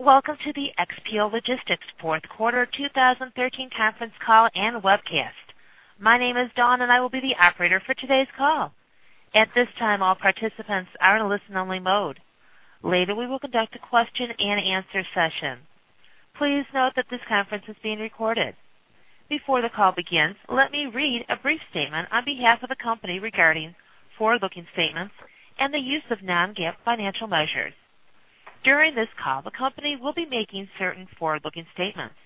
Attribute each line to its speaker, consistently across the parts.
Speaker 1: Welcome to the XPO Logistics fourth quarter 2013 conference call and webcast. My name is Dawn, and I will be the operator for today's call. At this time, all participants are in a listen-only mode. Later, we will conduct a question-and-answer session. Please note that this conference is being recorded. Before the call begins, let me read a brief statement on behalf of the company regarding forward-looking statements and the use of non-GAAP financial measures. During this call, the company will be making certain forward-looking statements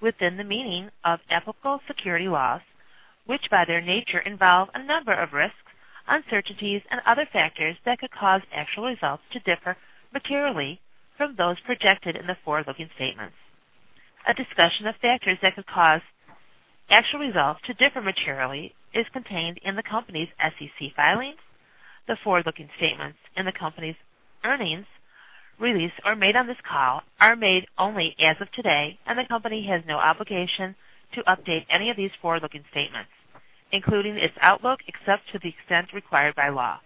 Speaker 1: within the meaning of federal securities laws, which, by their nature, involve a number of risks, uncertainties, and other factors that could cause actual results to differ materially from those projected in the forward-looking statements. A discussion of factors that could cause actual results to differ materially is contained in the company's SEC filings. The forward-looking statements in the company's earnings release are made on this call only as of today, and the company has no obligation to update any of these forward-looking statements, including its outlook, except to the extent required by law.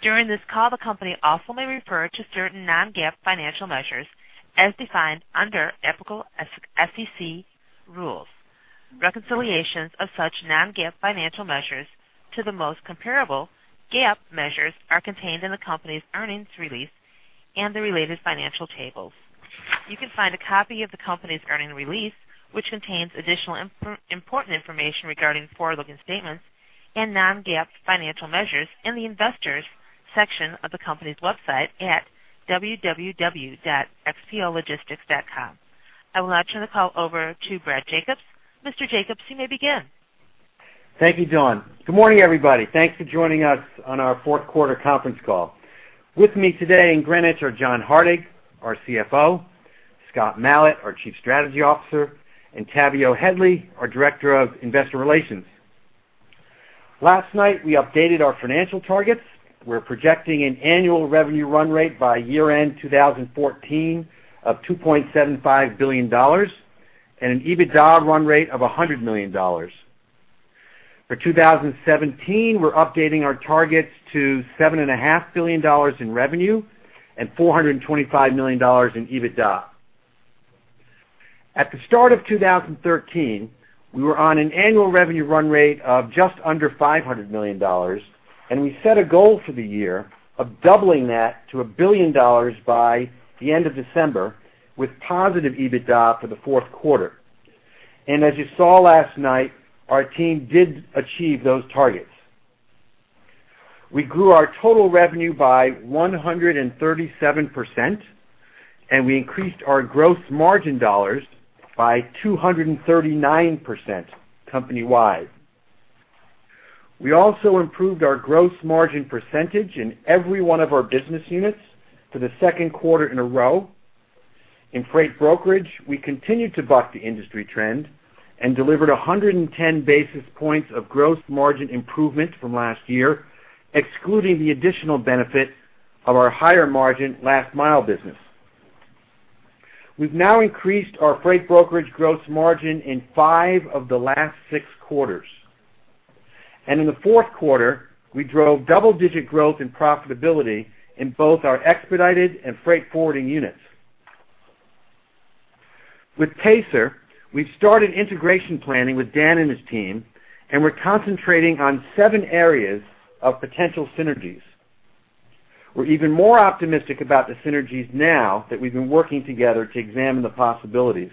Speaker 1: During this call, the company also may refer to certain non-GAAP financial measures as defined under applicable SEC rules. Reconciliations of such non-GAAP financial measures to the most comparable GAAP measures are contained in the company's earnings release and the related financial tables. You can find a copy of the company's earnings release, which contains additional important information regarding forward-looking statements and non-GAAP financial measures, in the Investors section of the company's website at www.xpologistics.com. I will now turn the call over to Brad Jacobs. Mr. Jacobs, you may begin.
Speaker 2: Thank you, Dawn. Good morning, everybody. Thanks for joining us on our fourth quarter conference call. With me today in Greenwich are John Hardig, our CFO, Scott Malat, our Chief Strategy Officer, and Tavio Headley, our Director of Investor Relations. Last night, we updated our financial targets. We're projecting an annual revenue run rate by year-end 2014 of $2.75 billion and an EBITDA run rate of $100 million. For 2017, we're updating our targets to $7.5 billion in revenue and $425 million in EBITDA. At the start of 2013, we were on an annual revenue run rate of just under $500 million, and we set a goal for the year of doubling that to $1 billion by the end of December, with positive EBITDA for the fourth quarter. As you saw last night, our team did achieve those targets. We grew our total revenue by 137%, and we increased our gross margin dollars by 239% company-wide. We also improved our gross margin percentage in every one of our business units for the second quarter in a row. In freight brokerage, we continued to buck the industry trend and delivered 110 basis points of gross margin improvement from last year, excluding the additional benefit of our higher margin last mile business. We've now increased our freight brokerage gross margin in five of the last six quarters, and in the fourth quarter, we drove double-digit growth and profitability in both our expedited and freight forwarding units. With Pacer, we've started integration planning with Dan and his team, and we're concentrating on seven areas of potential synergies. We're even more optimistic about the synergies now that we've been working together to examine the possibilities.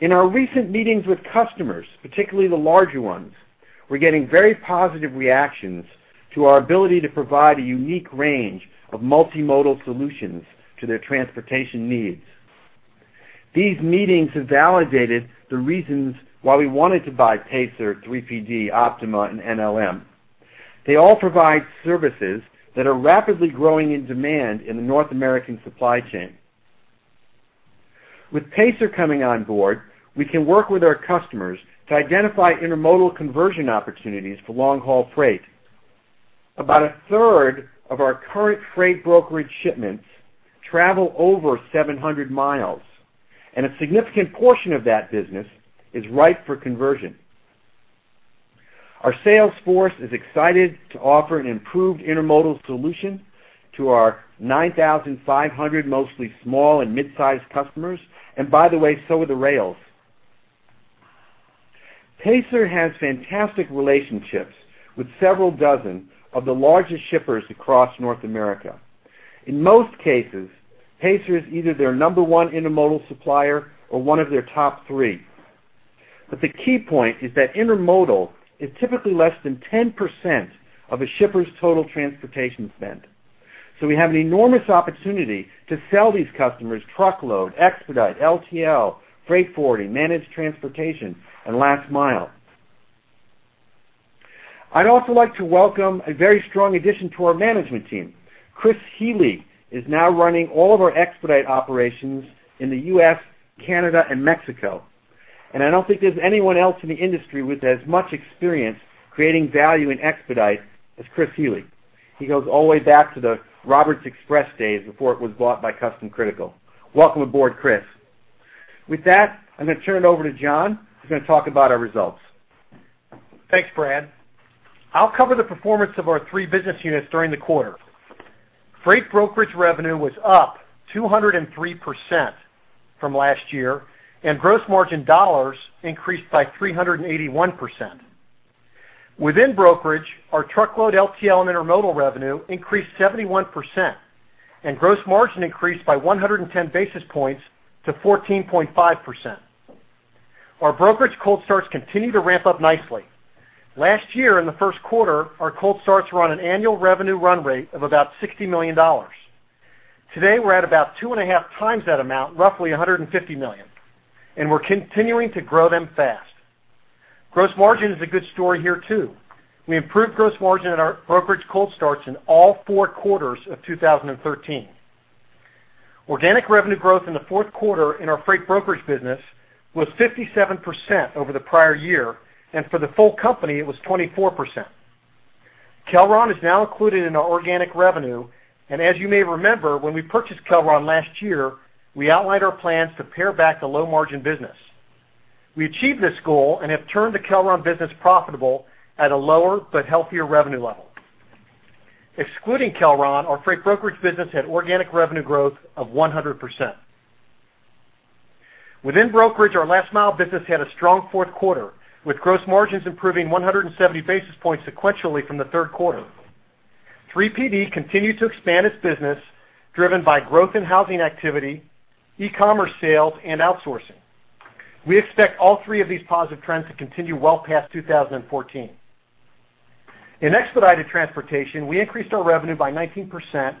Speaker 2: In our recent meetings with customers, particularly the larger ones, we're getting very positive reactions to our ability to provide a unique range of multimodal solutions to their transportation needs. These meetings have validated the reasons why we wanted to buy Pacer, 3PD, Optima, and NLM. They all provide services that are rapidly growing in demand in the North American supply chain. With Pacer coming on board, we can work with our customers to identify intermodal conversion opportunities for long-haul freight. About a third of our current freight brokerage shipments travel over 700 miles, and a significant portion of that business is ripe for conversion. Our sales force is excited to offer an improved intermodal solution to our 9,500, mostly small and mid-sized customers, and by the way, so are the rails. Pacer has fantastic relationships with several dozen of the largest shippers across North America. In most cases, Pacer is either their number one intermodal supplier or one of their top three. But the key point is that intermodal is typically less than 10% of a shipper's total transportation spend. So we have an enormous opportunity to sell these customers truckload, expedite, LTL, freight forwarding, managed transportation, and last mile. I'd also like to welcome a very strong addition to our management team. Chris Healy is now running all of our expedite operations in the U.S., Canada, and Mexico. I don't think there's anyone else in the industry with as much experience creating value in expedite as Chris Healy. He goes all the way back to the Roberts Express days before it was bought by Custom Critical. Welcome aboard, Chris. With that, I'm going to turn it over to John, who's going to talk about our results....
Speaker 3: Thanks, Brad. I'll cover the performance of our three business units during the quarter. Freight brokerage revenue was up 203% from last year, and gross margin dollars increased by 381%. Within brokerage, our truckload, LTL, and Intermodal revenue increased 71%, and gross margin increased by 110 basis points to 14.5%. Our brokerage Cold Starts continue to ramp up nicely. Last year, in the first quarter, our Cold Starts were on an annual revenue run rate of about $60 million. Today, we're at about 2.5 times that amount, roughly $150 million, and we're continuing to grow them fast. Gross margin is a good story here, too. We improved gross margin at our brokerage Cold Starts in all four quarters of 2013. Organic revenue growth in the fourth quarter in our freight brokerage business was 57% over the prior year, and for the full company, it was 24%. Kelron is now included in our organic revenue, and as you may remember, when we purchased Kelron last year, we outlined our plans to pare back the low-margin business. We achieved this goal and have turned the Kelron business profitable at a lower but healthier revenue level. Excluding Kelron, our freight brokerage business had organic revenue growth of 100%. Within brokerage, our last mile business had a strong fourth quarter, with gross margins improving 170 basis points sequentially from the third quarter. 3PD continued to expand its business, driven by growth in housing activity, e-commerce sales, and outsourcing. We expect all three of these positive trends to continue well past 2014. In expedited transportation, we increased our revenue by 19%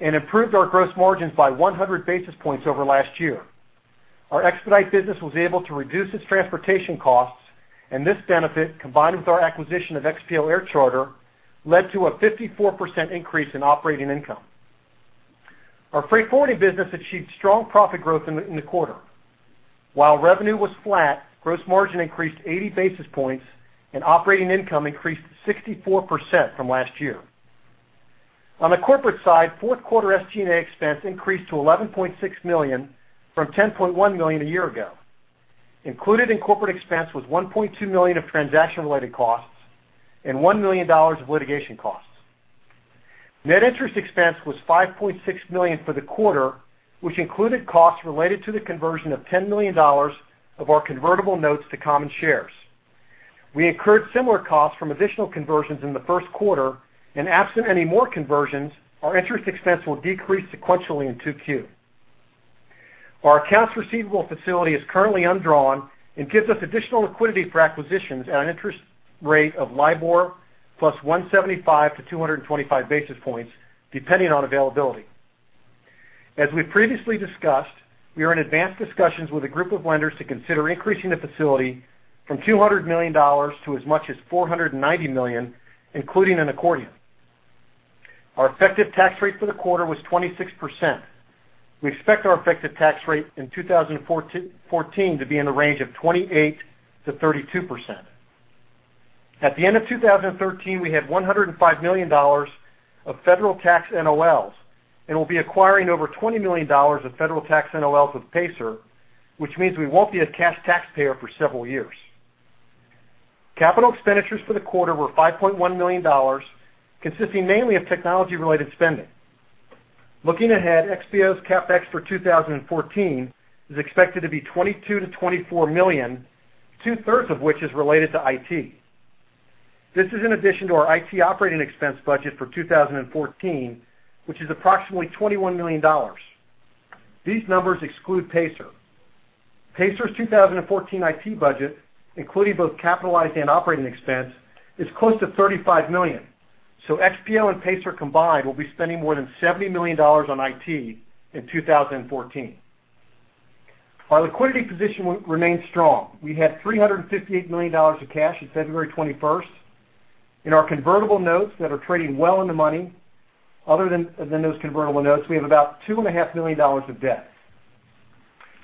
Speaker 3: and improved our gross margins by 100 basis points over last year. Our expedite business was able to reduce its transportation costs, and this benefit, combined with our acquisition of XPO Air Charter, led to a 54% increase in operating income. Our freight forwarding business achieved strong profit growth in the quarter. While revenue was flat, gross margin increased 80 basis points, and operating income increased 64% from last year. On the corporate side, fourth quarter SG&A expense increased to $11.6 million from $10.1 million a year ago. Included in corporate expense was $1.2 million of transaction-related costs and $1 million of litigation costs. Net interest expense was $5.6 million for the quarter, which included costs related to the conversion of $10 million of our convertible notes to common shares. We incurred similar costs from additional conversions in the first quarter, and absent any more conversions, our interest expense will decrease sequentially in 2Q. Our accounts receivable facility is currently undrawn and gives us additional liquidity for acquisitions at an interest rate of LIBOR plus 175-225 basis points, depending on availability. As we previously discussed, we are in advanced discussions with a group of lenders to consider increasing the facility from $200 million to as much as $490 million, including an accordion. Our effective tax rate for the quarter was 26%. We expect our effective tax rate in 2014 to be in the range of 28%-32%. At the end of 2013, we had $105 million of federal tax NOLs and will be acquiring over $20 million of federal tax NOLs with Pacer, which means we won't be a cash taxpayer for several years. Capital expenditures for the quarter were $5.1 million, consisting mainly of technology-related spending. Looking ahead, XPO's CapEx for 2014 is expected to be $22 million-$24 million, two-thirds of which is related to IT. This is in addition to our IT operating expense budget for 2014, which is approximately $21 million. These numbers exclude Pacer. Pacer's 2014 IT budget, including both capitalized and operating expense, is close to $35 million, so XPO and Pacer combined will be spending more than $70 million on IT in 2014. Our liquidity position remains strong. We had $358 million of cash on February 21st, and our convertible notes that are trading well in the money. Other than those convertible notes, we have about $2.5 million of debt.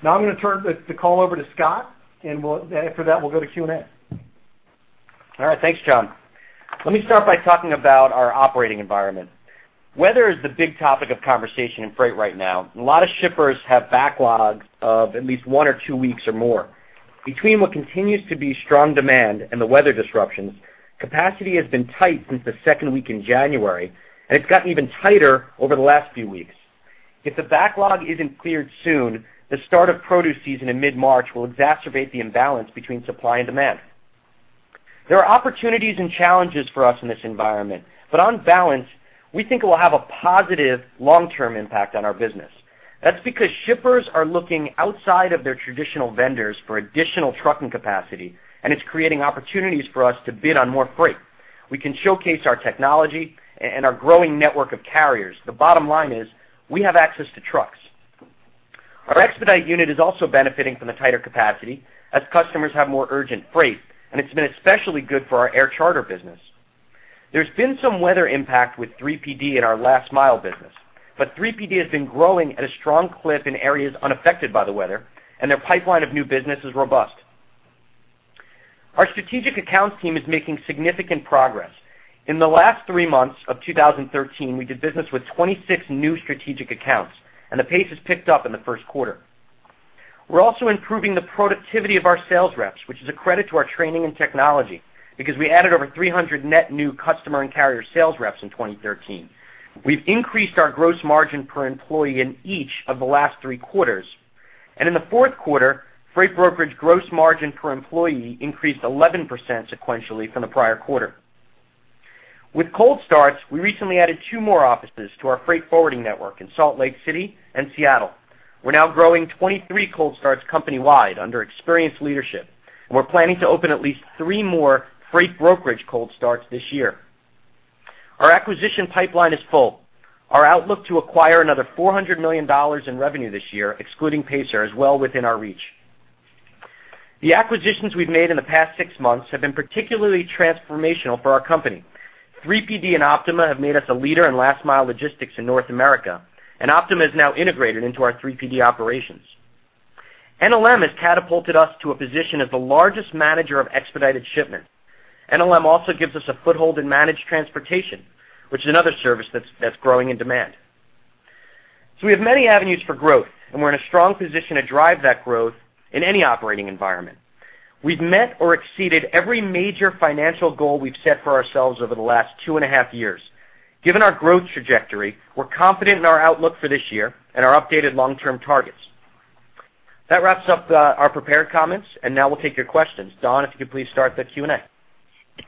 Speaker 3: Now I'm going to turn the call over to Scott, and we'll, after that, we'll go to Q&A.
Speaker 4: All right. Thanks, John. Let me start by talking about our operating environment. Weather is the big topic of conversation in freight right now. A lot of shippers have backlogs of at least one or two weeks or more. Between what continues to be strong demand and the weather disruptions, capacity has been tight since the second week in January, and it's gotten even tighter over the last few weeks. If the backlog isn't cleared soon, the start of produce season in mid-March will exacerbate the imbalance between supply and demand. There are opportunities and challenges for us in this environment, but on balance, we think it will have a positive long-term impact on our business. That's because shippers are looking outside of their traditional vendors for additional trucking capacity, and it's creating opportunities for us to bid on more freight. We can showcase our technology and our growing network of carriers. The bottom line is, we have access to trucks. Our expedite unit is also benefiting from the tighter capacity as customers have more urgent freight, and it's been especially good for our air charter business. There's been some weather impact with 3PD in our last mile business, but 3PD has been growing at a strong clip in areas unaffected by the weather, and their pipeline of new business is robust. Our strategic accounts team is making significant progress. In the last three months of 2013, we did business with 26 new strategic accounts, and the pace has picked up in the first quarter. We're also improving the productivity of our sales reps, which is a credit to our training and technology, because we added over 300 net new customer and carrier sales reps in 2013. We've increased our gross margin per employee in each of the last three quarters, and in the fourth quarter, freight brokerage gross margin per employee increased 11% sequentially from the prior quarter. With Cold Starts, we recently added two more offices to our Freight Forwarding network in Salt Lake City and Seattle. We're now growing 23 Cold Starts company-wide under experienced leadership, and we're planning to open at least three more freight brokerage Cold Starts this year. Our acquisition pipeline is full. Our outlook to acquire another $400 million in revenue this year, excluding Pacer, is well within our reach. The acquisitions we've made in the past six months have been particularly transformational for our company. 3PD and Optima have made us a leader in Last Mile logistics in North America, and Optima is now integrated into our 3PD operations. NLM has catapulted us to a position of the largest manager of expedited shipments. NLM also gives us a foothold in managed transportation, which is another service that's, that's growing in demand. So we have many avenues for growth, and we're in a strong position to drive that growth in any operating environment. We've met or exceeded every major financial goal we've set for ourselves over the last 2.5 years. Given our growth trajectory, we're confident in our outlook for this year and our updated long-term targets. That wraps up the, our prepared comments, and now we'll take your questions. Dawn, if you could please start the Q&A.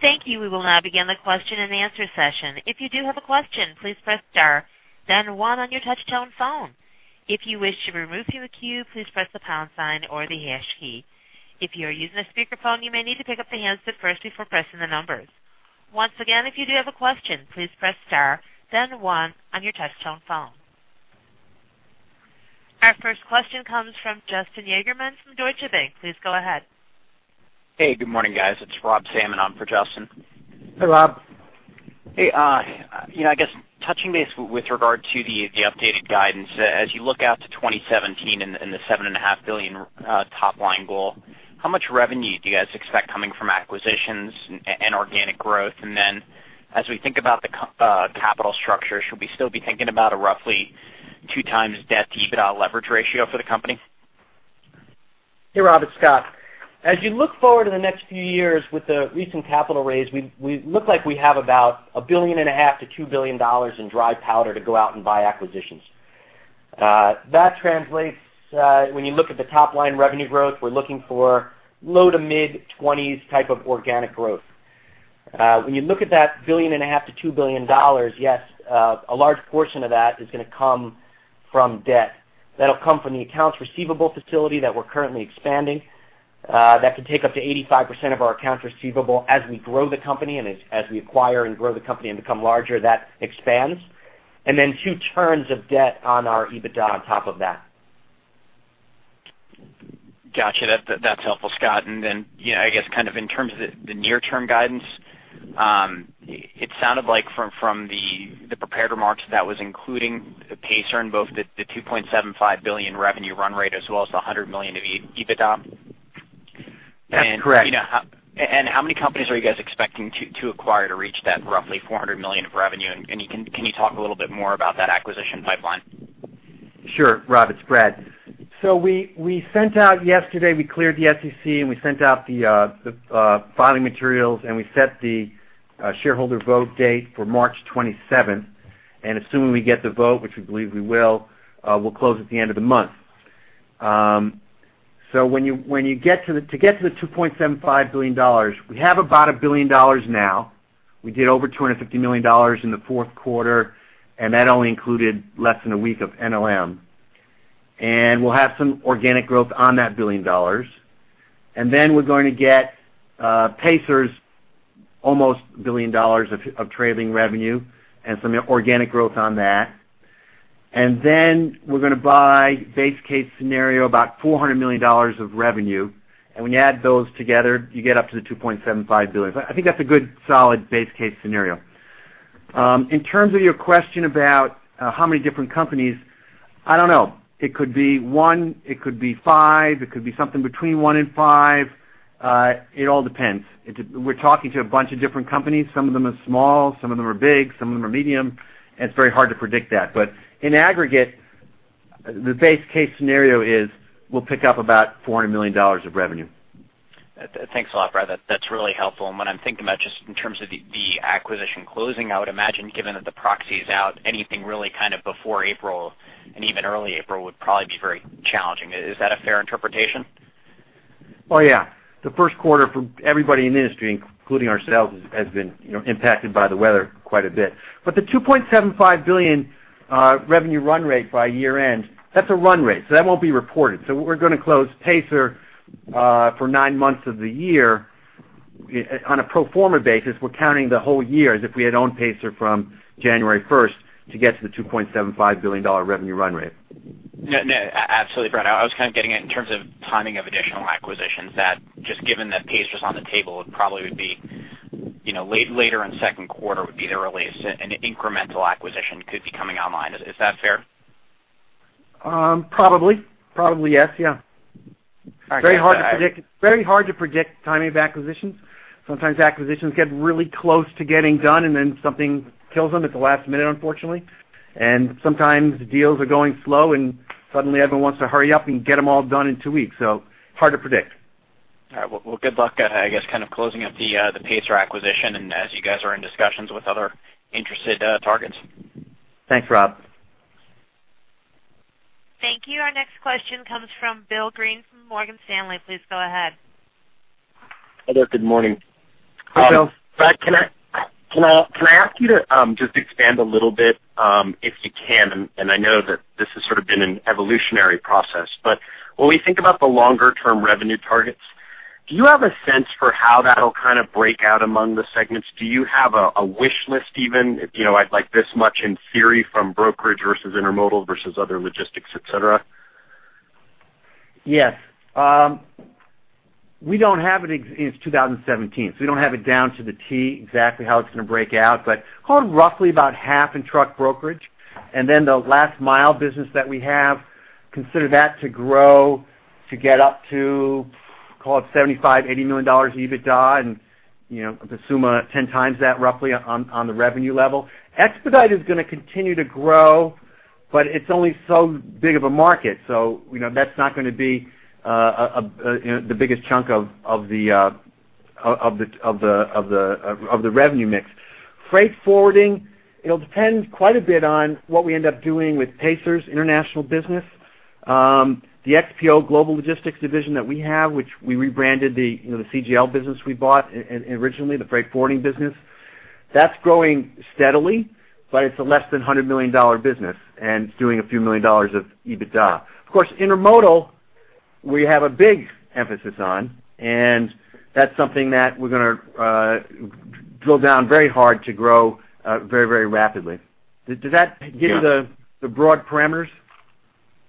Speaker 1: Thank you. We will now begin the question and answer session. If you do have a question, please press star, then one on your touchtone phone. If you wish to remove from the queue, please press the pound sign or the hash key. If you are using a speakerphone, you may need to pick up the handset first before pressing the numbers. Once again, if you do have a question, please press star, then one on your touchtone phone. Our first question comes from Justin Yagerman from Deutsche Bank. Please go ahead.
Speaker 5: Hey, good morning, guys. It's Rob Salmon on for Justin.
Speaker 4: Hey, Rob.
Speaker 6: Hey, you know, I guess touching base with regard to the updated guidance, as you look out to 2017 and the $7.5 billion top line goal, how much revenue do you guys expect coming from acquisitions and organic growth? And then as we think about the capital structure, should we still be thinking about a roughly 2x debt to EBITDA leverage ratio for the company?
Speaker 4: Hey, Rob, it's Scott. As you look forward to the next few years with the recent capital raise, we, we look like we have about $1.5 billion-$2 billion in dry powder to go out and buy acquisitions. That translates, when you look at the top line revenue growth, we're looking for low to mid 20s type of organic growth. When you look at that $1.5 billion-$2 billion, yes, a large portion of that is going to come from debt. That'll come from the accounts receivable facility that we're currently expanding. That could take up to 85% of our accounts receivable as we grow the company and as, as we acquire and grow the company and become larger, that expands. And then two turns of debt on our EBITDA on top of that.
Speaker 6: Got you. That's helpful, Scott. And then, you know, I guess kind of in terms of the near-term guidance, it sounded like from the prepared remarks, that was including Pacer in both the $2.75 billion revenue run rate as well as the $100 million of EBITDA.
Speaker 4: That's correct.
Speaker 5: How many companies are you guys expecting to acquire to reach that roughly $400 million of revenue? And can you talk a little bit more about that acquisition pipeline?
Speaker 2: Sure, Rob, it's Brad. So we, we sent out yesterday, we cleared the SEC, and we sent out the filing materials, and we set the shareholder vote date for March 27th. And assuming we get the vote, which we believe we will, we'll close at the end of the month. So when you get to the $2.75 billion, we have about $1 billion now. We did over $250 million in the fourth quarter, and that only included less than a week of NLM. And we'll have some organic growth on that $1 billion. And then we're going to get Pacer's almost $1 billion of trailing revenue and some organic growth on that. And then we're going to buy, base case scenario, about $400 million of revenue. And when you add those together, you get up to the $2.75 billion. But I think that's a good, solid base case scenario. In terms of your question about how many different companies, I don't know. It could be one, it could be five, it could be something between one and five. It all depends. We're talking to a bunch of different companies. Some of them are small, some of them are big, some of them are medium. It's very hard to predict that. But in aggregate, the base case scenario is we'll pick up about $400 million of revenue.
Speaker 6: Thanks a lot, Brad. That, that's really helpful. And what I'm thinking about, just in terms of the acquisition closing, I would imagine, given that the proxy is out, anything really kind of before April and even early April, would probably be very challenging. Is that a fair interpretation?
Speaker 2: Oh, yeah. The first quarter for everybody in the industry, including ourselves, has been, you know, impacted by the weather quite a bit. But the $2.75 billion revenue run rate by year-end, that's a run rate, so that won't be reported. So we're going to close Pacer for nine months of the year. On a pro forma basis, we're counting the whole year as if we had owned Pacer from January 1st to get to the $2.75 billion revenue run rate.
Speaker 6: No, no, absolutely, Brad. I was kind of getting at in terms of timing of additional acquisitions, that just given that Pacer is on the table, it probably would be, you know, later in the second quarter would be the release, an incremental acquisition could be coming online. Is that fair?
Speaker 2: Probably. Probably, yes. Yeah. Very hard to predict, very hard to predict timing of acquisitions. Sometimes acquisitions get really close to getting done, and then something kills them at the last minute, unfortunately. And sometimes deals are going slow, and suddenly everyone wants to hurry up and get them all done in two weeks. So hard to predict.
Speaker 6: All right. Well, good luck, I guess, kind of closing up the Pacer acquisition, and as you guys are in discussions with other interested targets.
Speaker 2: Thanks, Rob.
Speaker 1: Thank you. Our next question comes from Bill Greene from Morgan Stanley. Please go ahead.
Speaker 7: Hello, good morning.
Speaker 2: Hi, Bill.
Speaker 7: Brad, can I ask you to just expand a little bit, if you can, and I know that this has sort of been an evolutionary process, but when we think about the longer term revenue targets, do you have a sense for how that'll kind of break out among the segments? Do you have a wish list, even, you know, I'd like this much in theory, from brokerage versus intermodal versus other logistics, et cetera?
Speaker 2: Yes. We don't have it exactly. It's 2017, so we don't have it down to the T exactly how it's going to break out, but call it roughly about half in truck brokerage, and then the last mile business that we have, consider that to grow to get up to, call it $75-$80 million EBITDA, and, you know, assume 10x that roughly on the revenue level. Expedite is going to continue to grow, but it's only so big of a market, so, you know, that's not going to be the biggest chunk of the revenue mix. Freight forwarding, it'll depend quite a bit on what we end up doing with Pacer's international business. The XPO Global Logistics division that we have, which we rebranded the, you know, the CGL business we bought originally, the freight forwarding business, that's growing steadily, but it's a less than $100 million business, and it's doing a few million dollars of EBITDA. Of course, intermodal, we have a big emphasis on, and that's something that we're gonna drill down very hard to grow very, very rapidly. Did that give you the-
Speaker 7: Yeah.
Speaker 2: - the broad parameters?
Speaker 7: No, yeah,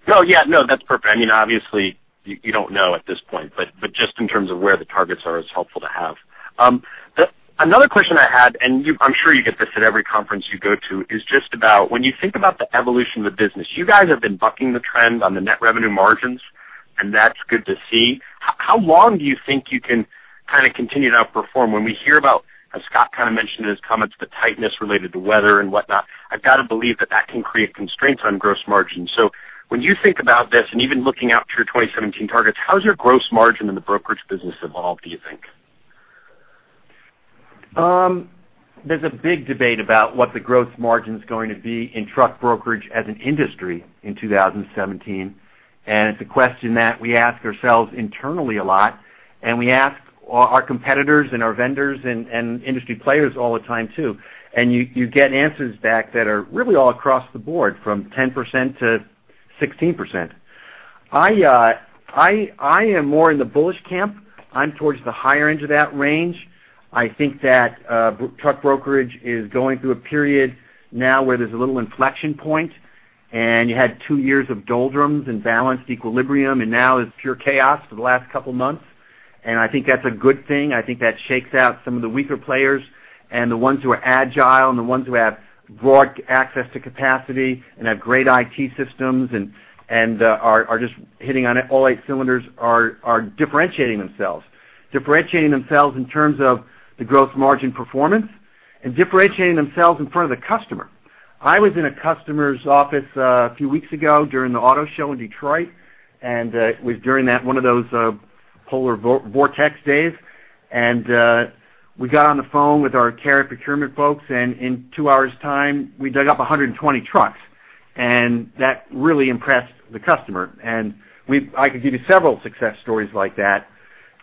Speaker 7: no, that's perfect. I mean, obviously, you, you don't know at this point, but, but just in terms of where the targets are, it's helpful to have. Another question I had, and you... I'm sure you get this at every conference you go to, is just about when you think about the evolution of the business, you guys have been bucking the trend on the net revenue margins, and that's good to see. How long do you think you can kind of continue to outperform? When we hear about, as Scott kind of mentioned in his comments, the tightness related to weather and whatnot, I've got to believe that that can create constraints on gross margins. So when you think about this, and even looking out to your 2017 targets, how has your gross margin in the brokerage business evolved, do you think?
Speaker 2: There's a big debate about what the gross margin is going to be in truck brokerage as an industry in 2017, and it's a question that we ask ourselves internally a lot, and we ask our, our competitors and our vendors and, and industry players all the time, too. And you, you get answers back that are really all across the board, from 10%-16%. I, I am more in the bullish camp. I'm towards the higher end of that range. I think that, truck brokerage is going through a period now where there's a little inflection point, and you had two years of doldrums and balanced equilibrium, and now it's pure chaos for the last couple of months. And I think that's a good thing. I think that shakes out some of the weaker players and the ones who are agile and the ones who have broad access to capacity and have great IT systems and are just hitting on all eight cylinders are differentiating themselves. Differentiating themselves in terms of the growth margin performance and differentiating themselves in front of the customer. I was in a customer's office a few weeks ago during the auto show in Detroit, and it was during that, one of those polar vortex days. And we got on the phone with our carrier procurement folks, and in two hours time, we dug up 120 trucks, and that really impressed the customer. And we've—I could give you several success stories like that.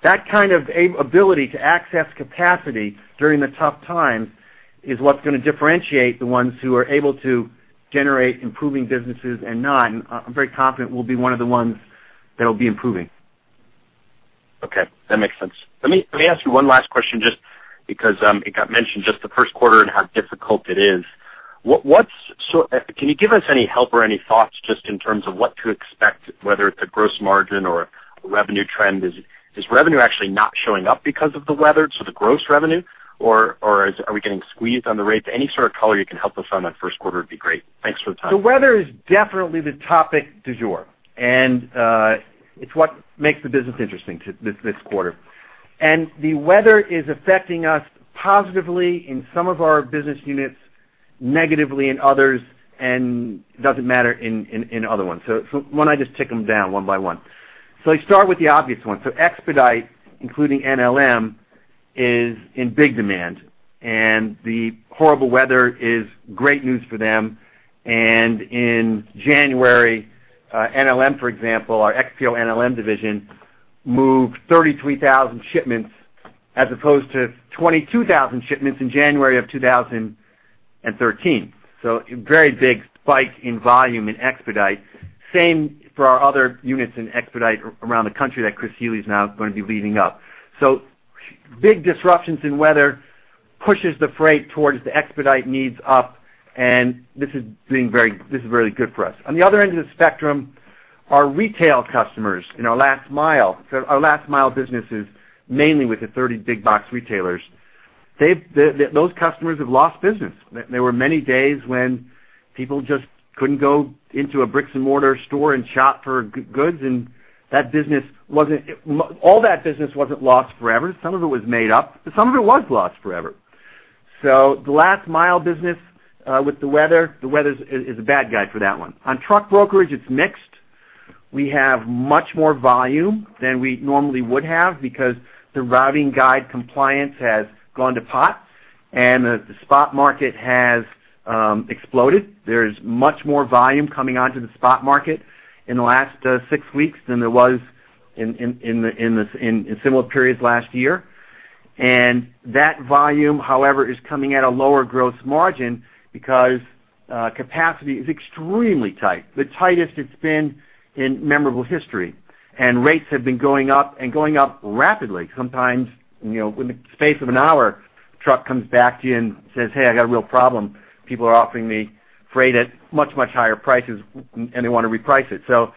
Speaker 2: That kind of ability to access capacity during the tough times is what's going to differentiate the ones who are able to generate improving businesses and not, and I'm very confident we'll be one of the ones that will be improving.
Speaker 7: Okay, that makes sense. Let me ask you one last question, just because it got mentioned, just the first quarter and how difficult it is. So, can you give us any help or any thoughts just in terms of what to expect, whether it's a gross margin or a revenue trend? Is revenue actually not showing up because of the weather, so the gross revenue, or are we getting squeezed on the rates? Any sort of color you can help us on that first quarter would be great. Thanks for the time.
Speaker 2: The weather is definitely the topic du jour, and it's what makes the business interesting to this quarter. The weather is affecting us positively in some of our business units, negatively in others, and doesn't matter in other ones. So why don't I just tick them down one by one. I start with the obvious one. Expedite, including NLM, is in big demand, and the horrible weather is great news for them. In January, NLM, for example, our XPO NLM division, moved 33,000 shipments as opposed to 22,000 shipments in January 2013. So a very big spike in volume in Expedite. Same for our other units in Expedite around the country that Chris Healy is now going to be leading up. So big disruptions in weather pushes the freight towards the Expedite needs up, and this is very good for us. On the other end of the spectrum, our retail customers in our Last Mile, so our Last Mile business is mainly with the 30 big box retailers. Those customers have lost business. There were many days when people just couldn't go into a bricks-and-mortar store and shop for goods, and that business wasn't all that business wasn't lost forever. Some of it was made up, but some of it was lost forever. So the Last Mile business with the weather, the weather is a bad guy for that one. On Truck Brokerage, it's mixed. We have much more volume than we normally would have because the Routing Guide compliance has gone to pot and the Spot Market has exploded. There's much more volume coming onto the spot market in the last six weeks than there was in similar periods last year. And that volume, however, is coming at a lower gross margin because capacity is extremely tight, the tightest it's been in memorable history, and rates have been going up and going up rapidly. Sometimes, you know, in the space of an hour, truck comes back to you and says, "Hey, I got a real problem. People are offering me freight at much, much higher prices, and they want to reprice it." So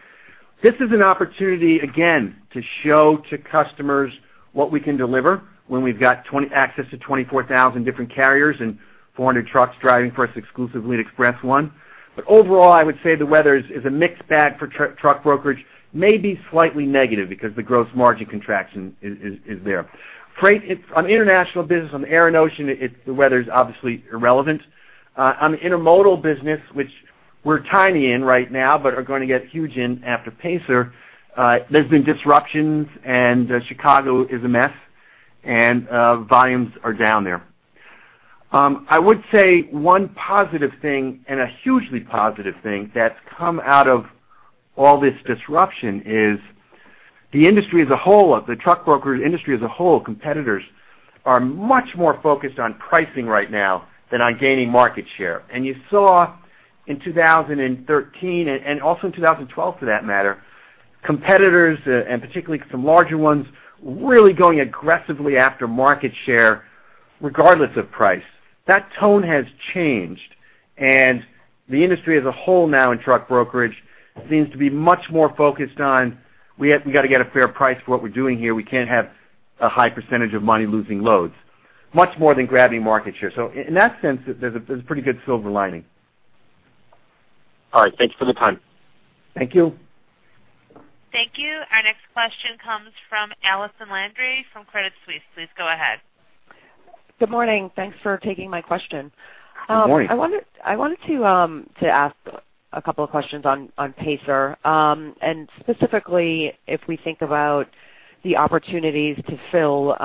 Speaker 2: this is an opportunity, again, to show to customers what we can deliver when we've got access to 24,000 different carriers and 400 trucks driving for us exclusively at Express-1. But overall, I would say the weather is a mixed bag for truck brokerage, may be slightly negative because the gross margin contraction is there. Freight, it's on the international business, on the air and ocean, the weather is obviously irrelevant. On the intermodal business, which we're tiny in right now, but are going to get huge in after Pacer, there's been disruptions and Chicago is a mess, and volumes are down there. I would say one positive thing, and a hugely positive thing that's come out of all this disruption is the industry as a whole, the truck brokerage industry as a whole, competitors are much more focused on pricing right now than on gaining market share. You saw in 2013, and also in 2012, for that matter, competitors, and particularly some larger ones, really going aggressively after market share, regardless of price. That tone has changed, and the industry as a whole now in truck brokerage, seems to be much more focused on, we got to get a fair price for what we're doing here. We can't have a high percentage of money losing loads, much more than grabbing market share. So in that sense, there's a pretty good silver lining.
Speaker 7: All right, thanks for the time.
Speaker 2: Thank you.
Speaker 1: Thank you. Our next question comes from Allison Landry from Credit Suisse. Please go ahead.
Speaker 8: Good morning. Thanks for taking my question.
Speaker 2: Good morning.
Speaker 8: I wanted to ask a couple of questions on Pacer. And specifically, if we think about the opportunities to fill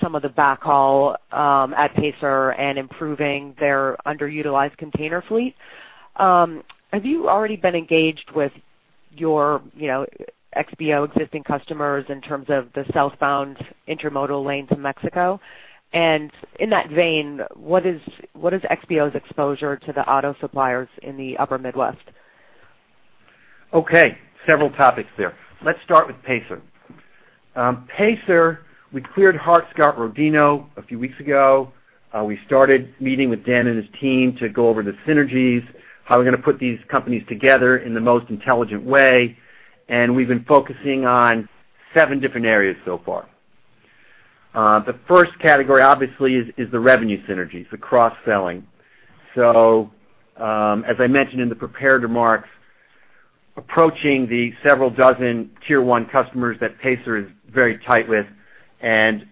Speaker 8: some of the backhaul at Pacer and improving their underutilized container fleet. Have you already been engaged with your, you know, XPO existing customers in terms of the southbound intermodal lane to Mexico? And in that vein, what is XPO's exposure to the auto suppliers in the upper Midwest?
Speaker 2: Okay, several topics there. Let's start with Pacer. Pacer, we cleared Hart-Scott-Rodino a few weeks ago. We started meeting with Dan and his team to go over the synergies, how we're going to put these companies together in the most intelligent way, and we've been focusing on seven different areas so far. The first category, obviously, is the revenue synergies, the cross-selling. So, as I mentioned in the prepared remarks, approaching the several dozen tier one customers that Pacer is very tight with, and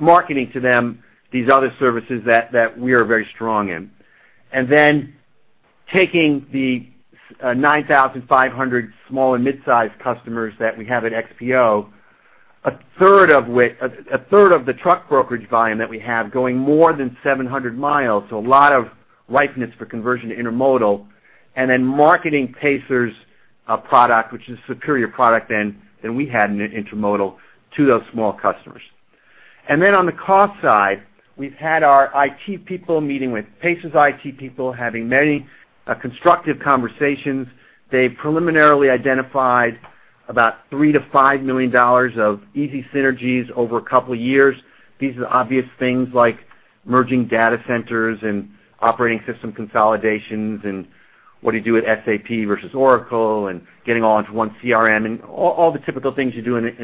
Speaker 2: marketing to them, these other services that we are very strong in. And then taking the 9,500 small and mid-sized customers that we have at XPO, a third of which—a third of the truck brokerage volume that we have, going more than 700 miles, so a lot of ripeness for conversion to intermodal, and then marketing Pacer's product, which is a superior product than we had in intermodal to those small customers. And then on the cost side, we've had our IT people meeting with Pacer's IT people, having many constructive conversations. They preliminarily identified about $3 million-$5 million of easy synergies over a couple of years. These are obvious things like merging data centers and operating system consolidations, and what do you do with SAP versus Oracle, and getting all into one CRM, and all the typical things you do in an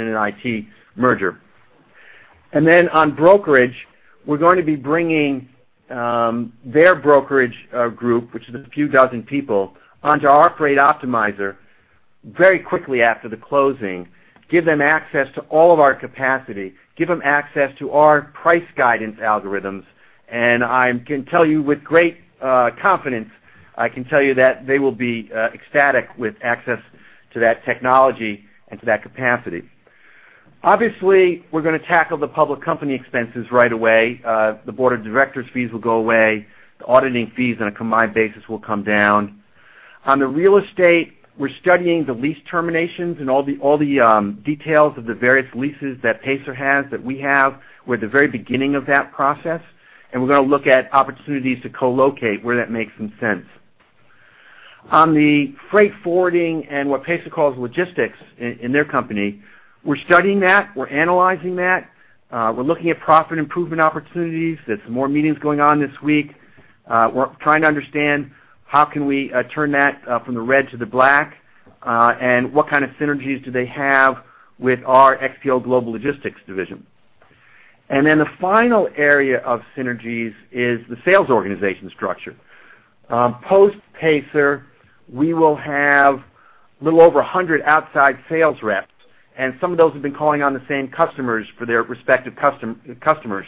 Speaker 2: IT merger. And then on brokerage, we're going to be bringing their brokerage group, which is a few dozen people, onto our Freight Optimizer very quickly after the closing, give them access to all of our capacity, give them access to our price guidance algorithms, and I can tell you with great confidence, I can tell you that they will be ecstatic with access to that technology and to that capacity. Obviously, we're going to tackle the public company expenses right away. The board of directors fees will go away. The auditing fees on a combined basis will come down. On the real estate, we're studying the lease terminations and all the details of the various leases that Pacer has, that we have. We're at the very beginning of that process, and we're going to look at opportunities to co-locate where that makes some sense. On the freight forwarding and what Pacer calls logistics in their company, we're studying that, we're analyzing that, we're looking at profit improvement opportunities. There's some more meetings going on this week. We're trying to understand how can we turn that from the red to the black? And what kind of synergies do they have with our XPO Global Logistics division? And then the final area of synergies is the sales organization structure. Post Pacer, we will have a little over 100 outside sales reps, and some of those have been calling on the same customers for their respective customers,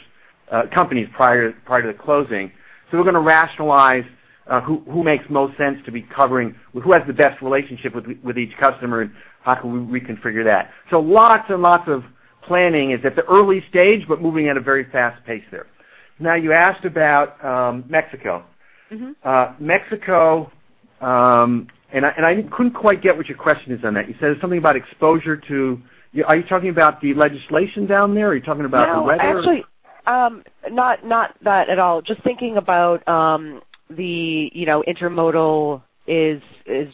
Speaker 2: companies, prior to the closing. So we're going to rationalize who makes most sense to be covering, who has the best relationship with each customer, and how can we reconfigure that? So lots and lots of planning. It's at the early stage, but moving at a very fast pace there. Now, you asked about Mexico.
Speaker 8: Mm-hmm.
Speaker 2: Mexico, and I couldn't quite get what your question is on that. You said something about exposure to... Are you talking about the legislation down there, or are you talking about the weather?
Speaker 8: No, actually, not that at all. Just thinking about the, you know, intermodal is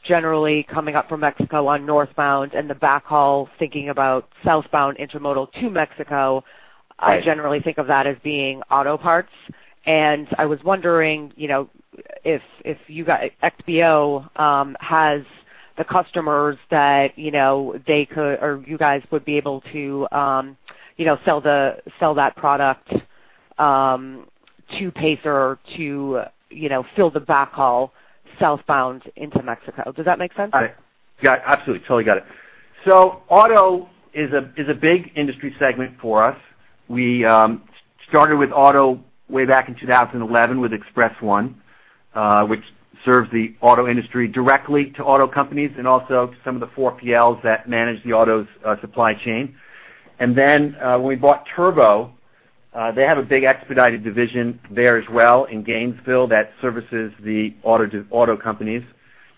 Speaker 8: generally coming up from Mexico on northbound and the backhaul, thinking about southbound intermodal to Mexico.
Speaker 2: Right.
Speaker 8: I generally think of that as being auto parts. I was wondering, you know, if you guys, XPO, has the customers that, you know, they could, or you guys would be able to, you know, sell that product to Pacer to, you know, fill the backhaul southbound into Mexico. Does that make sense?
Speaker 2: I got it. Absolutely, totally got it. So auto is a big industry segment for us. We started with auto way back in 2011 with Express-1, which serves the auto industry directly to auto companies and also to some of the 4PLs that manage the autos' supply chain. And then, when we bought Turbo, they have a big expedited division there as well in Gainesville, that services the auto to auto companies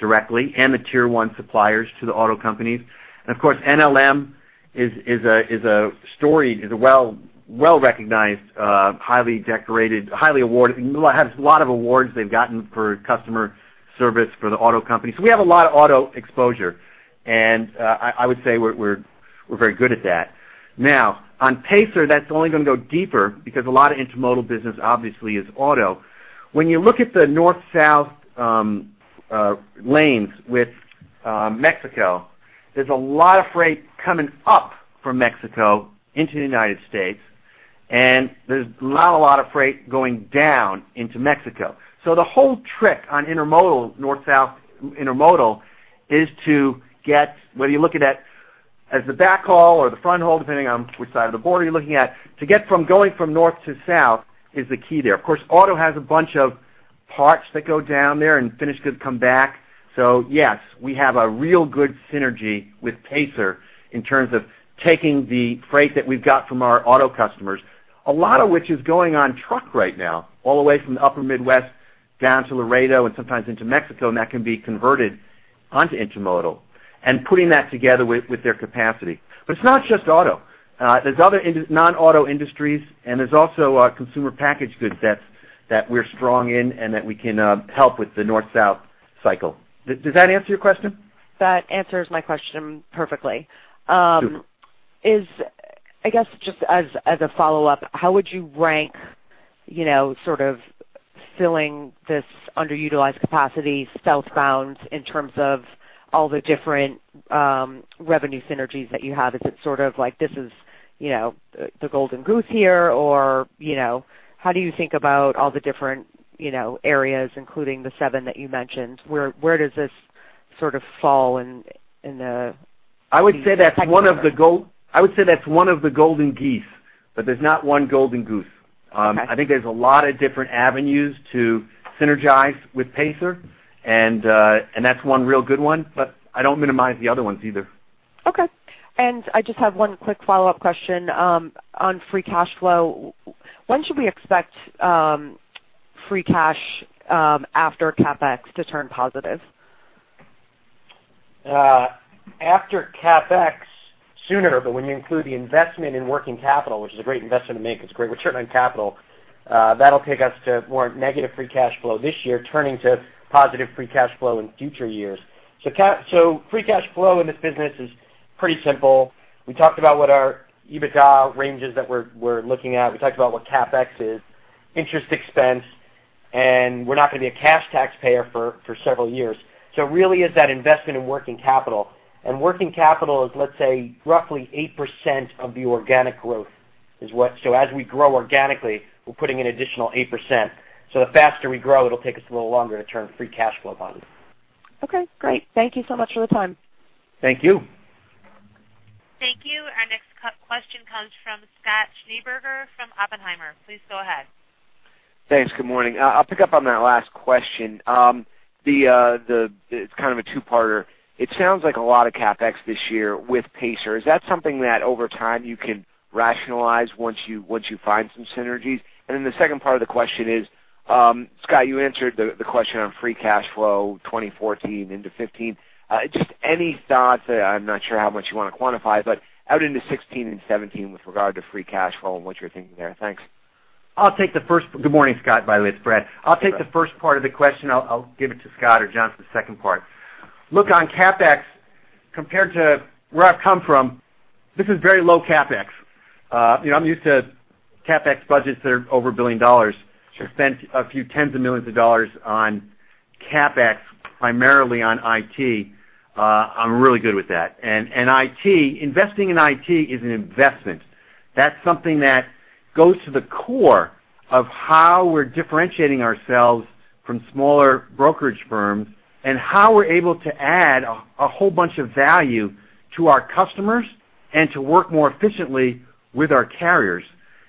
Speaker 2: directly and the Tier One suppliers to the auto companies. And of course, NLM is a storied, well-recognized, highly decorated, highly awarded, has a lot of awards they've gotten for customer service for the auto company. So we have a lot of auto exposure, and I would say we're very good at that. Now, on Pacer, that's only going to go deeper because a lot of intermodal business obviously is auto. When you look at the north-south lanes with Mexico, there's a lot of freight coming up from Mexico into the United States, and there's not a lot of freight going down into Mexico. So the whole trick on intermodal, north-south intermodal, is to get, whether you're looking at as the backhaul or the front haul, depending on which side of the border you're looking at, to get from going from north to south is the key there. Of course, auto has a bunch of parts that go down there and finished goods come back. So yes, we have a real good synergy with Pacer in terms of taking the freight that we've got from our auto customers, a lot of which is going on truck right now, all the way from the upper Midwest down to Laredo and sometimes into Mexico, and that can be converted onto intermodal and putting that together with their capacity. But it's not just auto. There's other non-auto industries, and there's also a consumer package goods that we're strong in and that we can help with the north-south cycle. Does that answer your question?
Speaker 8: That answers my question perfectly.
Speaker 2: Good.
Speaker 8: I guess, just as a follow-up, how would you rank, you know, sort of filling this underutilized capacity southbound in terms of all the different, revenue synergies that you have? Is it sort of like this is, you know, the golden goose here, or, you know, how do you think about all the different, you know, areas, including the seven that you mentioned? Where does this sort of fall in the-
Speaker 2: I would say that's one of the golden geese, but there's not one golden goose.
Speaker 8: Okay.
Speaker 2: I think there's a lot of different avenues to synergize with Pacer, and that's one real good one, but I don't minimize the other ones either.
Speaker 8: Okay. And I just have one quick follow-up question. On free cash flow, when should we expect free cash after CapEx to turn positive?
Speaker 2: After CapEx, sooner, but when you include the investment in working capital, which is a great investment to make, it's great, we're sitting on capital, that'll take us to more negative free cash flow this year, turning to positive free cash flow in future years. So free cash flow in this business is pretty simple. We talked about what our EBITDA ranges that we're looking at. We talked about what CapEx is, interest expense, and we're not going to be a cash taxpayer for several years. So it really is that investment in working capital. And working capital is, let's say, roughly 8% of the organic growth, is what. So as we grow organically, we're putting in additional 8%. So the faster we grow, it'll take us a little longer to turn free cash flow on.
Speaker 8: Okay, great. Thank you so much for the time.
Speaker 2: Thank you.
Speaker 1: Thank you. Our next question comes from Scott Schneeberger from Oppenheimer. Please go ahead.
Speaker 9: Thanks. Good morning. I'll pick up on that last question. The it's kind of a two-parter. It sounds like a lot of CapEx this year with Pacer. Is that something that over time you can rationalize once you, once you find some synergies? And then the second part of the question is, Scott, you answered the question on free cash flow, 2014 into 2015. Just any thoughts, I'm not sure how much you want to quantify, but out into 2016 and 2017 with regard to free cash flow and what you're thinking there. Thanks.
Speaker 2: I'll take the first. Good morning, Scott. By the way, it's Brad. I'll take the first part of the question. I'll, I'll give it to Scott or John for the second part. Look, on CapEx, compared to where I've come from, this is very low CapEx. You know, I'm used to CapEx budgets that are over $1 billion. To spend a few tens of millions of dollars on CapEx, primarily on IT, I'm really good with that. And, and IT, investing in IT is an investment. That's something that goes to the core of how we're differentiating ourselves from smaller brokerage firms and how we're able to add a whole bunch of value to our customers and to work more efficiently with our carriers.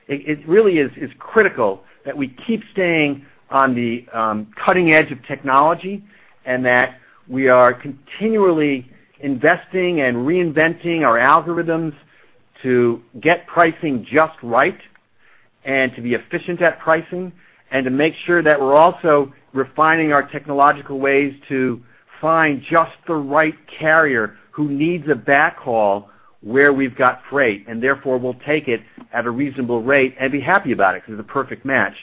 Speaker 2: It really is critical that we keep staying on the cutting edge of technology and that we are continually investing and reinventing our algorithms to get pricing just right and to be efficient at pricing, and to make sure that we're also refining our technological ways to find just the right carrier who needs a backhaul where we've got freight, and therefore, will take it at a reasonable rate and be happy about it because it's a perfect match.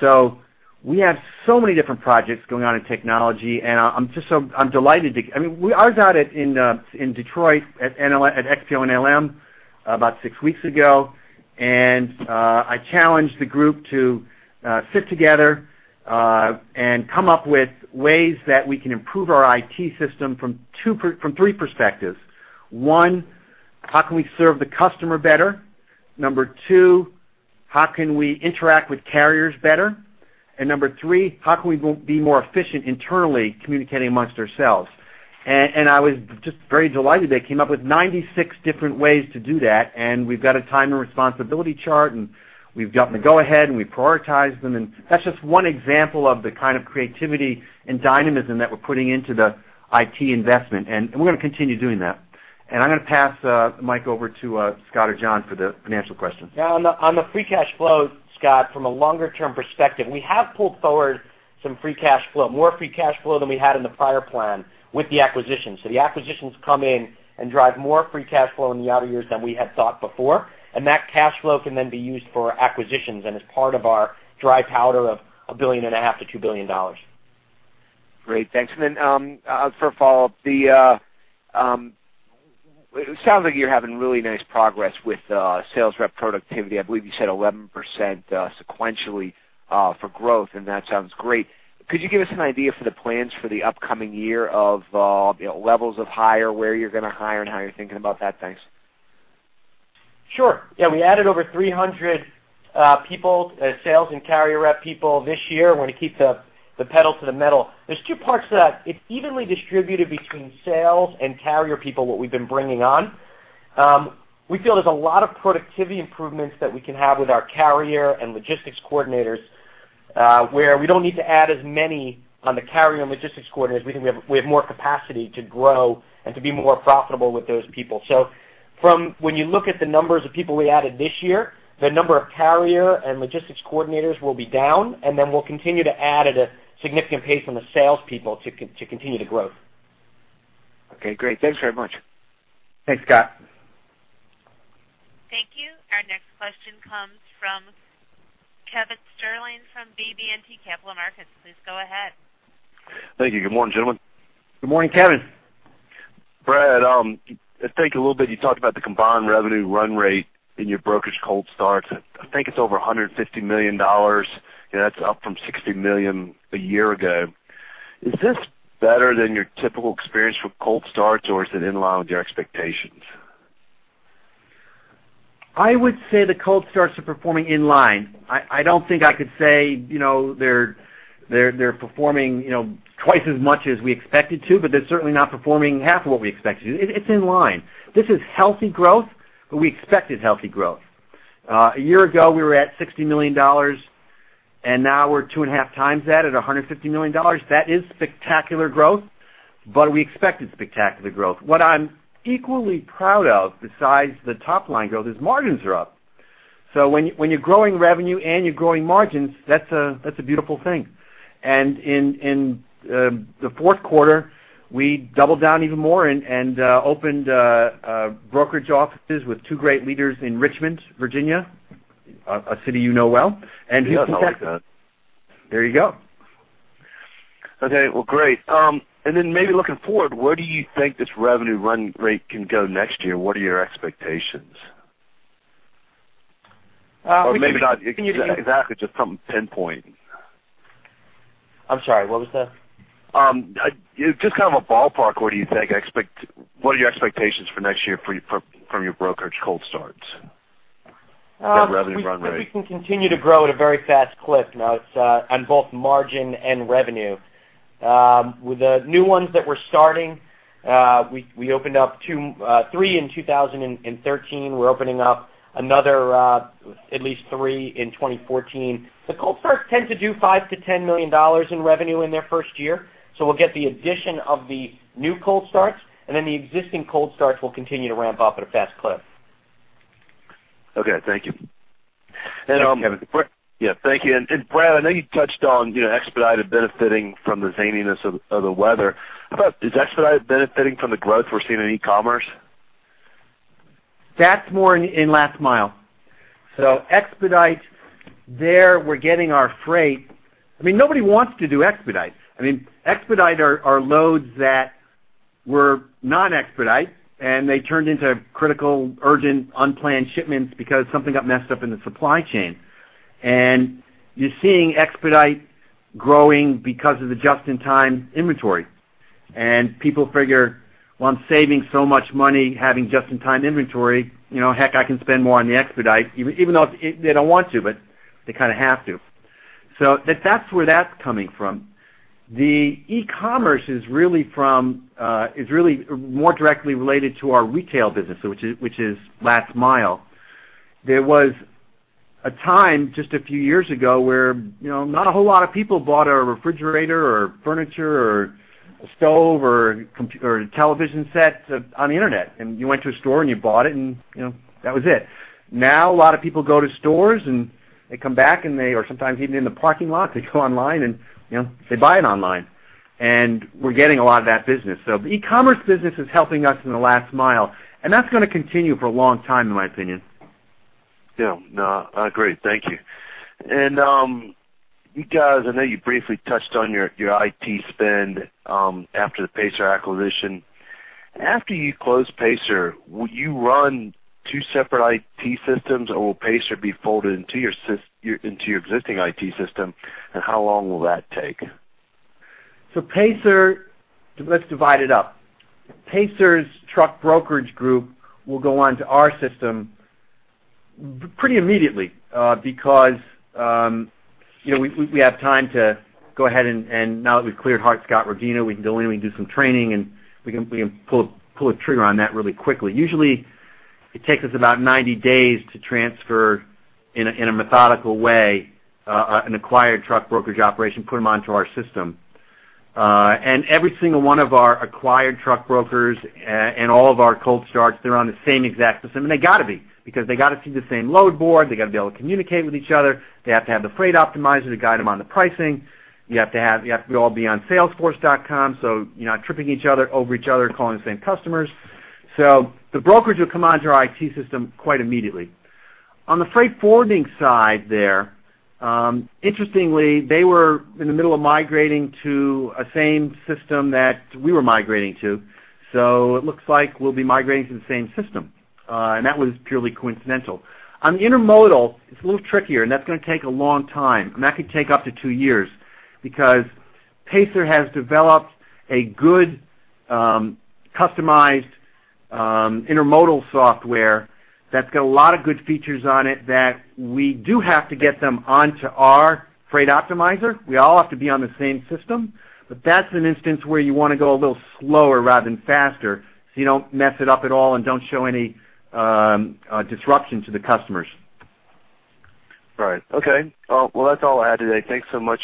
Speaker 2: So we have so many different projects going on in technology, and I'm just so delighted to... I mean, I was out at, in Detroit at NLM at XPO NLM, about six weeks ago, and I challenged the group to sit together and come up with ways that we can improve our IT system from three perspectives. One, how can we serve the customer better? Number two, how can we interact with carriers better? And number three, how can we be more efficient internally, communicating amongst ourselves? And I was just very delighted they came up with 96 different ways to do that, and we've got a time and responsibility chart, and we've gotten the go ahead, and we prioritize them, and that's just one example of the kind of creativity and dynamism that we're putting into the IT investment, and we're going to continue doing that. I'm going to pass the mic over to Scott or John for the financial question.
Speaker 4: Yeah, on the free cash flow, Scott, from a longer-term perspective, we have pulled forward some free cash flow, more free cash flow than we had in the prior plan with the acquisitions. So the acquisitions come in and drive more free cash flow in the outer years than we had thought before, and that cash flow can then be used for acquisitions and as part of our dry powder of $1.5 billion-$2 billion.
Speaker 9: Great, thanks. And then, for a follow-up, it sounds like you're having really nice progress with sales rep productivity. I believe you said 11%, sequentially, for growth, and that sounds great. Could you give us an idea for the plans for the upcoming year of, you know, levels of hire, where you're going to hire, and how you're thinking about that? Thanks.
Speaker 4: Sure. Yeah, we added over 300, people, sales and carrier rep people this year. We're going to keep the pedal to the metal. There's two parts to that. It's evenly distributed between sales and carrier people, what we've been bringing on. We feel there's a lot of productivity improvements that we can have with our carrier and logistics coordinators, where we don't need to add as many on the carrier and logistics coordinators. We think we have more capacity to grow and to be more profitable with those people. So when you look at the numbers of people we added this year, the number of carrier and logistics coordinators will be down, and then we'll continue to add at a significant pace from the salespeople to continue the growth.
Speaker 9: Okay, great. Thanks very much.
Speaker 2: Thanks, Scott.
Speaker 1: Thank you. Our next question comes from Kevin Sterling from BB&T Capital Markets. Please go ahead.
Speaker 10: Thank you. Good morning, gentlemen.
Speaker 2: Good morning, Kevin.
Speaker 10: Brad, I think a little bit, you talked about the combined revenue Run Rate in your brokerage Cold Starts. I think it's over $150 million, and that's up from $60 million a year ago. Is this better than your typical experience with Cold Starts, or is it in line with your expectations?
Speaker 2: I would say the Cold Starts are performing in line. I, I don't think I could say, you know, they're performing, you know, twice as much as we expected to, but they're certainly not performing half of what we expected to. It's in line. This is healthy growth, but we expected healthy growth. A year ago, we were at $60 million, and now we're 2.5 times that at $150 million. That is spectacular growth, but we expected spectacular growth. What I'm equally proud of, besides the top line growth, is margins are up. So when you, when you're growing revenue and you're growing margins, that's a beautiful thing. And in the fourth quarter, we doubled down even more and opened brokerage offices with two great leaders in Richmond, Virginia, a city you know well.
Speaker 10: Yes, I like that.
Speaker 2: There you go.
Speaker 10: Okay. Well, great. And then maybe looking forward, where do you think this revenue run rate can go next year? What are your expectations?
Speaker 2: We can- Or maybe not exactly, just something pinpoint.
Speaker 4: I'm sorry, what was that?
Speaker 10: Just kind of a ballpark, where do you think... What are your expectations for next year for your, from your brokerage Cold Starts, the revenue run rate?
Speaker 4: We can continue to grow at a very fast clip, now it's on both margin and revenue. With the new ones that we're starting, we opened up to three in 2013. We're opening up another at least three in 2014. The Cold Starts tend to do $5 million-$10 million in revenue in their first year, so we'll get the addition of the new Cold Starts, and then the existing Cold Starts will continue to ramp up at a fast clip.
Speaker 10: Okay. Thank you.
Speaker 2: Thanks, Kevin.
Speaker 10: Yeah, thank you. And Brad, I know you touched on, you know, Expedite benefiting from the zaniness of the weather. How about, is Expedite benefiting from the growth we're seeing in e-commerce?
Speaker 2: That's more in last mile. So Expedite, there, we're getting our freight. I mean, nobody wants to do Expedite. I mean, Expedite are loads that were non-expedite, and they turned into critical, urgent, unplanned shipments because something got messed up in the supply chain. And you're seeing expedite growing because of the just-in-time inventory. And people figure, well, I'm saving so much money having just-in-time inventory, you know, heck, I can spend more on the expedite, even though they don't want to, but they kind of have to. So that's where that's coming from. The e-commerce is really from, is really more directly related to our retail business, which is last mile. There was a time, just a few years ago, where, you know, not a whole lot of people bought a refrigerator, or furniture, or a stove, or a television set on the internet, and you went to a store, and you bought it, and, you know, that was it. Now, a lot of people go to stores, and they come back, and they, or sometimes even in the parking lot, they go online, and, you know, they buy it online. We're getting a lot of that business. The e-commerce business is helping us in the last mile, and that's going to continue for a long time, in my opinion.
Speaker 10: Yeah. No, I agree. Thank you. And, you guys, I know you briefly touched on your IT spend after the Pacer acquisition. After you close Pacer, will you run two separate IT systems, or will Pacer be folded into your into your existing IT system? And how long will that take?
Speaker 2: So Pacer, let's divide it up. Pacer's truck brokerage group will go on to our system pretty immediately, because, you know, we have time to go ahead, and now that we've cleared Hart-Scott-Rodino, we can go in and do some training, and we can pull a trigger on that really quickly. Usually, it takes us about 90 days to transfer in a methodical way an acquired truck brokerage operation, put them onto our system. And every single one of our acquired truck brokers and all of our Cold Starts, they're on the same exact system. And they got to be, because they got to see the same load board, they got to be able to communicate with each other, they have to have the Freight Optimizer to guide them on the pricing. You have to all be on Salesforce.com, so you're not tripping each other over each other, calling the same customers. So the brokerage will come onto our IT system quite immediately. On the freight forwarding side there, interestingly, they were in the middle of migrating to the same system that we were migrating to. So it looks like we'll be migrating to the same system, and that was purely coincidental. On the intermodal, it's a little trickier, and that's going to take a long time, and that could take up to two years. Because Pacer has developed a good, customized, intermodal software that's got a lot of good features on it that we do have to get them onto our Freight Optimizer. We all have to be on the same system, but that's an instance where you want to go a little slower rather than faster, so you don't mess it up at all and don't show any disruption to the customers.
Speaker 10: Right. Okay. Well, that's all I had today. Thanks so much,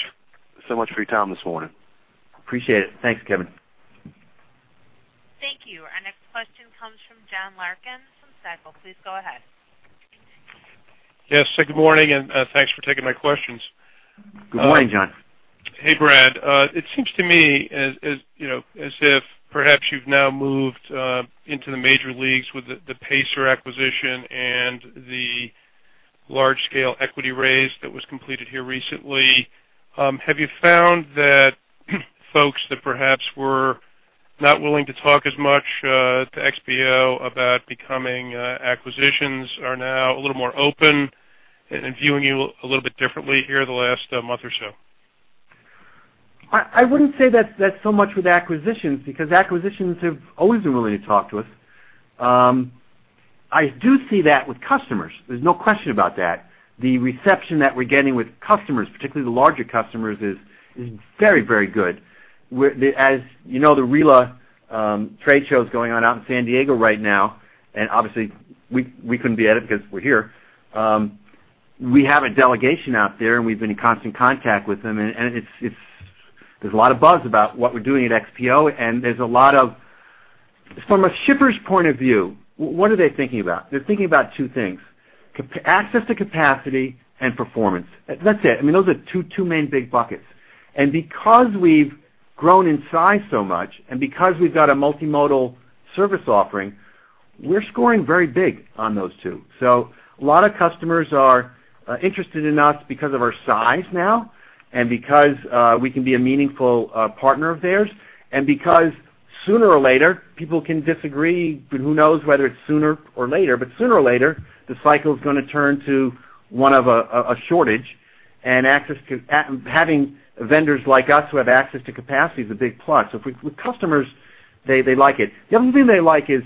Speaker 10: so much for your time this morning.
Speaker 2: Appreciate it. Thanks, Kevin.
Speaker 1: Thank you. Our next question comes from John Larkin from Stifel. Please go ahead.
Speaker 11: Yes, good morning, and thanks for taking my questions.
Speaker 2: Good morning, John.
Speaker 11: Hey, Brad. It seems to me as, as you know, as if perhaps you've now moved into the major leagues with the Pacer acquisition and the large-scale equity raise that was completed here recently. Have you found that folks that perhaps were not willing to talk as much to XPO about becoming acquisitions are now a little more open and viewing you a little bit differently here the last month or so?
Speaker 2: I wouldn't say that's so much with acquisitions, because acquisitions have always been willing to talk to us. I do see that with customers, there's no question about that. The reception that we're getting with customers, particularly the larger customers, is very, very good. Where, as you know, the RILA trade show is going on out in San Diego right now, and obviously, we couldn't be at it because we're here. We have a delegation out there, and we've been in constant contact with them, and it's, there's a lot of buzz about what we're doing at XPO, and there's a lot of... From a shipper's point of view, what are they thinking about? They're thinking about two things: access to capacity and performance. That's it. I mean, those are the two main big buckets. Because we've grown in size so much, and because we've got a multimodal service offering, we're scoring very big on those two. So a lot of customers are interested in us because of our size now and because we can be a meaningful partner of theirs, and because sooner or later, people can disagree, but who knows whether it's sooner or later, but sooner or later, the cycle is going to turn to one of a shortage and access to having vendors like us who have access to capacity is a big plus. So with customers, they like it. The other thing they like is,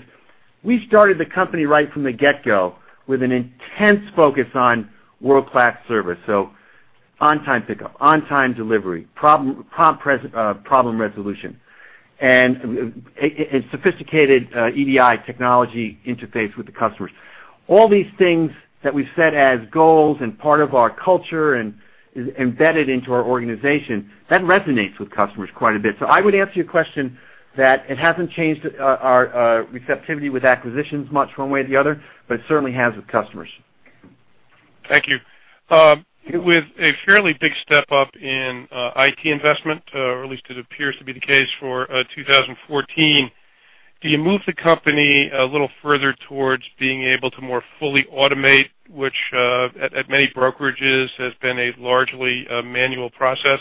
Speaker 2: we started the company right from the get-go with an intense focus on world-class service, so on-time pickup, on-time delivery, prompt problem resolution, and sophisticated EDI technology interface with the customers. All these things that we've set as goals and part of our culture and is embedded into our organization, that resonates with customers quite a bit. So I would answer your question that it hasn't changed our receptivity with acquisitions much one way or the other, but it certainly has with customers.
Speaker 11: Thank you. With a fairly big step up in IT investment, or at least it appears to be the case for 2014—do you move the company a little further towards being able to more fully automate, which at many brokerages has been a largely manual process?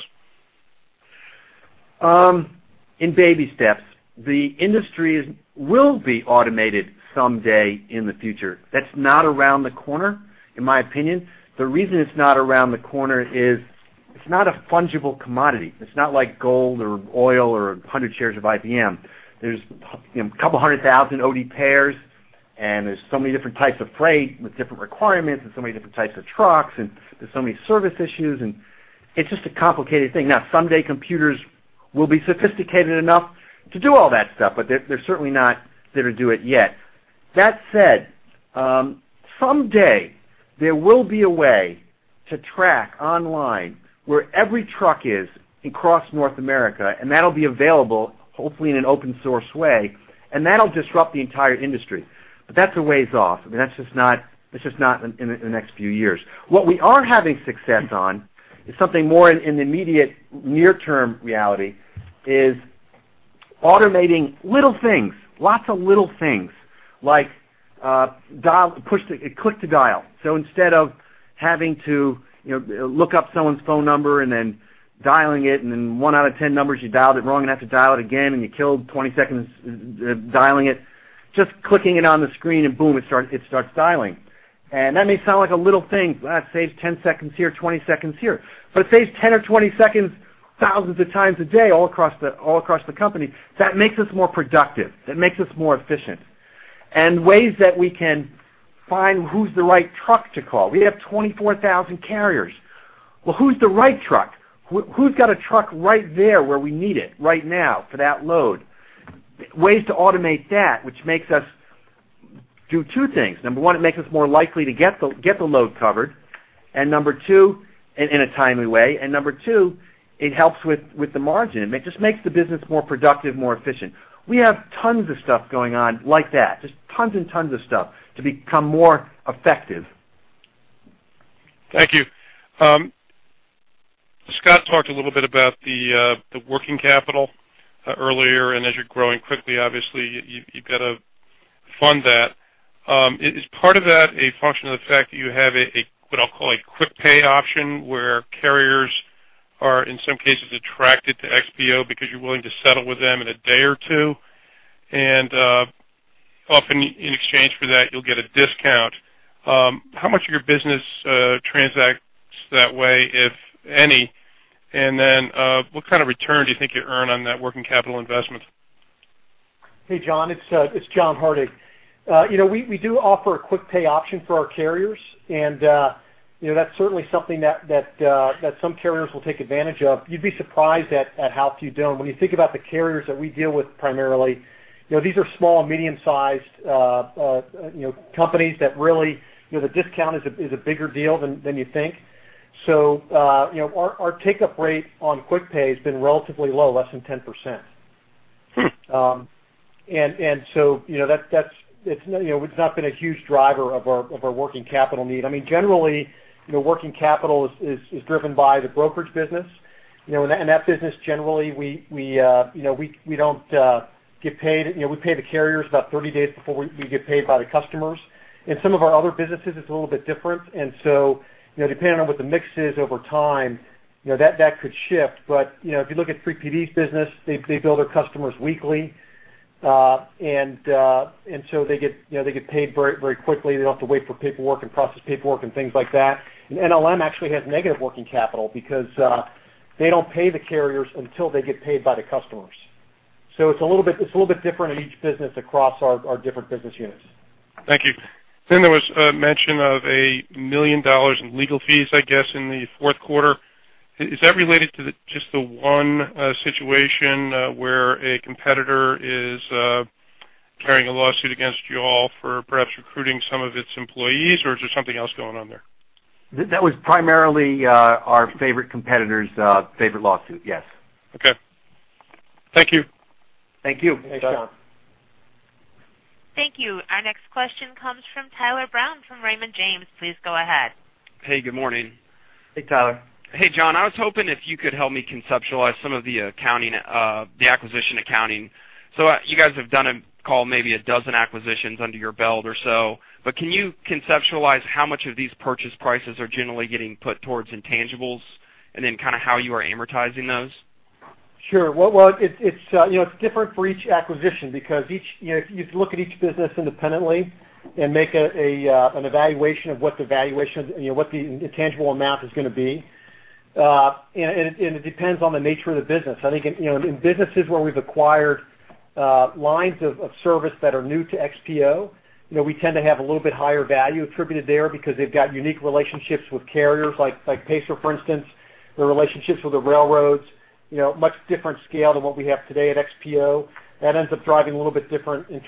Speaker 2: In baby steps. The industry will be automated someday in the future. That's not around the corner, in my opinion. The reason it's not around the corner is it's not a fungible commodity. It's not like gold or oil or 100 shares of IBM. There's, you know, 200,000 OD pairs, and there's so many different types of freight with different requirements and so many different types of trucks, and there's so many service issues, and it's just a complicated thing. Now, someday, computers will be sophisticated enough to do all that stuff, but they're certainly not there to do it yet. That said, someday there will be a way to track online where every truck is across North America, and that'll be available, hopefully in an open source way, and that'll disrupt the entire industry. But that's a ways off. I mean, that's just not, that's just not in the, the next few years. What we are having success on is something more in, in the immediate near-term reality, is automating little things, lots of little things, like, dial, push the- click-to-dial. So instead of having to, you know, look up someone's phone number and then dialing it, and then one out of 10 numbers, you dialed it wrong and have to dial it again, and you killed 20 seconds dialing it. Just clicking it on the screen, and boom! It starts dialing. And that may sound like a little thing. It saves 10 seconds here, 20 seconds here. But it saves 10 or 20 seconds, thousands of times a day, all across the, all across the company. That makes us more productive. That makes us more efficient. Ways that we can find who's the right truck to call. We have 24,000 carriers. Well, who's the right truck? Who, who's got a truck right there where we need it right now for that load? Ways to automate that, which makes us do two things. Number one, it makes us more likely to get the, get the load covered, and number two, in, in a timely way. And number two, it helps with, with the margin. It just makes the business more productive, more efficient. We have tons of stuff going on like that, just tons and tons of stuff to become more effective.
Speaker 11: Thank you. Scott talked a little bit about the working capital earlier, and as you're growing quickly, obviously, you've got to fund that. Is part of that a function of the fact that you have a what I'll call a quick pay option, where carriers are in some cases attracted to XPO because you're willing to settle with them in a day or two, and often in exchange for that, you'll get a discount? How much of your business transacts that way, if any? And then, what kind of return do you think you earn on that working capital investment?
Speaker 3: Hey, John, it's John Hardig. You know, we do offer a quick pay option for our carriers, and you know, that's certainly something that some carriers will take advantage of. You'd be surprised at how few don't. When you think about the carriers that we deal with primarily, you know, these are small and medium-sized companies that really, you know, the discount is a bigger deal than you think. So, you know, our take-up rate on quick pay has been relatively low, less than 10%. And so, you know, that's, it's not been a huge driver of our working capital need. I mean, generally, you know, working capital is driven by the brokerage business. You know, and that business, generally, we, we, you know, we, we don't get paid. You know, we pay the carriers about 30 days before we, we get paid by the customers. In some of our other businesses, it's a little bit different. So, you know, depending on what the mix is over time, you know, that, that could shift. But, you know, if you look at 3PD's business, they, they bill their customers weekly. And so they get, you know, they get paid very, very quickly. They don't have to wait for paperwork and process paperwork and things like that. NLM actually has negative working capital because they don't pay the carriers until they get paid by the customers. So it's a little bit, it's a little bit different in each business across our, our different business units.
Speaker 11: Thank you. Then there was mention of $1 million in legal fees, I guess, in the fourth quarter. Is that related to just the one situation where a competitor is carrying a lawsuit against you all for perhaps recruiting some of its employees, or is there something else going on there?
Speaker 2: That was primarily our favorite competitor's favorite lawsuit. Yes.
Speaker 11: Okay. Thank you.
Speaker 2: Thank you.
Speaker 3: Thanks, John.
Speaker 1: Thank you. Our next question comes from Tyler Brown from Raymond James. Please go ahead.
Speaker 12: Hey, good morning.
Speaker 2: Hey, Tyler.
Speaker 12: Hey, John, I was hoping if you could help me conceptualize some of the accounting, the acquisition accounting. So you guys have done and call maybe a dozen acquisitions under your belt or so, but can you conceptualize how much of these purchase prices are generally getting put towards intangibles, and then kind of how you are amortizing those?
Speaker 3: Sure. Well, it's different for each acquisition because each... You know, you have to look at each business independently and make an evaluation of what the valuation, you know, what the intangible amount is going to be. And it depends on the nature of the business. I think, you know, in businesses where we've acquired lines of service that are new to XPO, you know, we tend to have a little bit higher value attributed there because they've got unique relationships with carriers like Pacer, for instance, their relationships with the railroads, you know, much different scale than what we have today at XPO. That ends up driving a little bit different, you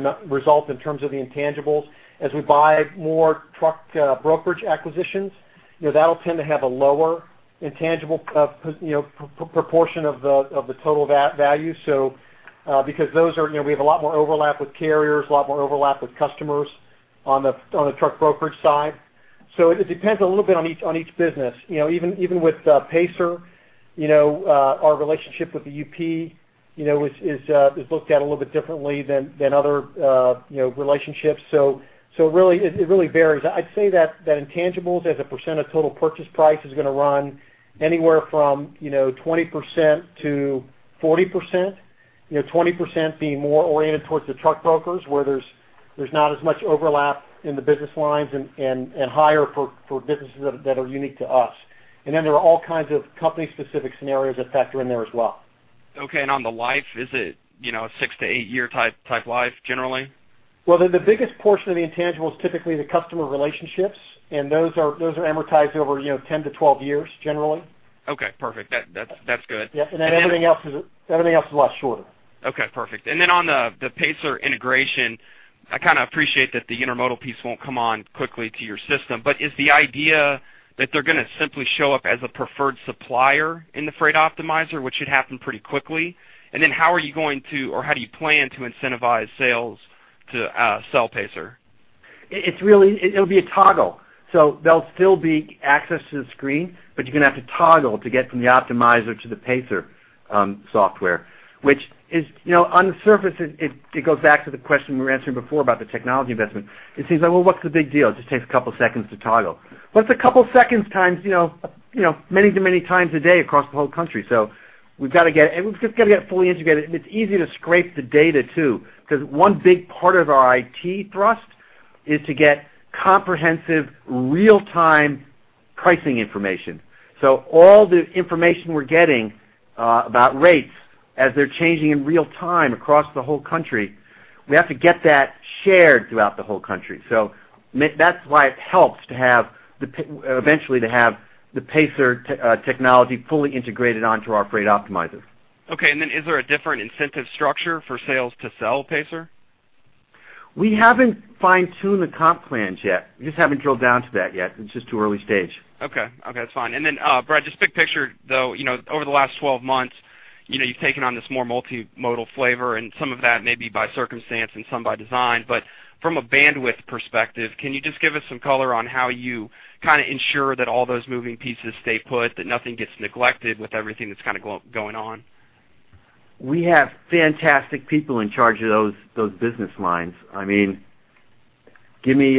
Speaker 3: know, result in terms of the intangibles. As we buy more truck brokerage acquisitions, you know, that'll tend to have a lower intangible, you know, proportion of the total value. So, because those are... You know, we have a lot more overlap with carriers, a lot more overlap with customers on the truck brokerage side.... So it depends a little bit on each, on each business. You know, even, even with Pacer, you know, our relationship with the UP, you know, is, is looked at a little bit differently than, than other, you know, relationships. So, so really, it, it really varies. I'd say that, that intangibles, as a percent of total purchase price, is going to run anywhere from, you know, 20%-40%. You know, 20% being more oriented towards the truck brokers, where there's, there's not as much overlap in the business lines and, and, and higher for, for businesses that, that are unique to us. And then there are all kinds of company specific scenarios that factor in there as well.
Speaker 12: Okay, and on the life, is it, you know, a 6-8 year type life generally?
Speaker 2: Well, the biggest portion of the intangible is typically the customer relationships, and those are, those are amortized over, you know, 10-12 years, generally.
Speaker 12: Okay, perfect. That's good.
Speaker 2: Yeah, and then everything else is a lot shorter.
Speaker 12: Okay, perfect. And then on the Pacer integration, I kind of appreciate that the intermodal piece won't come on quickly to your system. But is the idea that they're going to simply show up as a preferred supplier in the Freight Optimizer, which should happen pretty quickly? And then how are you going to, or how do you plan to incentivize sales to sell Pacer?
Speaker 2: It's really... It'll be a toggle, so there'll be access to the screen, but you're going to have to toggle to get from the Optimizer to the Pacer software. Which is, you know, on the surface, it goes back to the question we were answering before about the technology investment. It seems like, well, what's the big deal? It just takes a couple seconds to toggle. But it's a couple seconds times, you know, many to many times a day across the whole country. So we've got to get and we've just got to get fully integrated, and it's easy to scrape the data, too, because one big part of our IT thrust is to get comprehensive, real-time pricing information. So all the information we're getting about rates as they're changing in real time across the whole country, we have to get that shared throughout the whole country. So that's why it helps to eventually have the Pacer technology fully integrated onto our Freight Optimizer.
Speaker 12: Okay, and then is there a different incentive structure for sales to sell Pacer?
Speaker 2: We haven't fine-tuned the comp plans yet. We just haven't drilled down to that yet. It's just too early stage.
Speaker 12: Okay. Okay, that's fine. And then, Brad, just big picture, though, you know, over the last 12 months, you know, you've taken on this more multimodal flavor, and some of that may be by circumstance and some by design. But from a bandwidth perspective, can you just give us some color on how you kind of ensure that all those moving pieces stay put, that nothing gets neglected with everything that's kind of going on?
Speaker 2: We have fantastic people in charge of those business lines. I mean, give me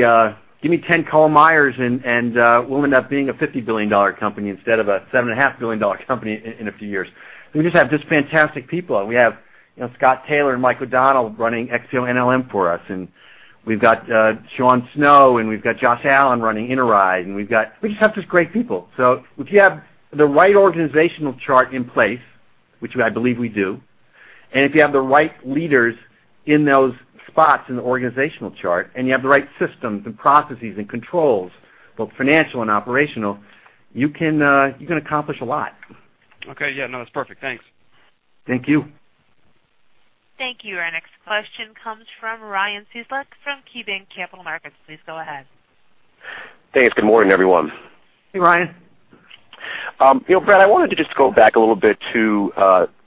Speaker 2: 10 Karl Meyers and we'll end up being a $50 billion company instead of a $7.5 billion company in a few years. We just have just fantastic people. We have, you know, Scott Taylor and Mike O'Donnell running XPO NLM for us, and we've got Sean Snow, and we've got Josh Allen running Interide, and we've got... We just have just great people. So if you have the right organizational chart in place, which I believe we do, and if you have the right leaders in those spots in the organizational chart, and you have the right systems and processes and controls, both financial and operational, you can accomplish a lot.
Speaker 12: Okay. Yeah, no, that's perfect. Thanks.
Speaker 2: Thank you.
Speaker 1: Thank you. Our next question comes from Ryan Cieslak from KeyBanc Capital Markets. Please go ahead.
Speaker 13: Thanks. Good morning, everyone.
Speaker 2: Hey, Ryan.
Speaker 13: You know, Brad, I wanted to just go back a little bit to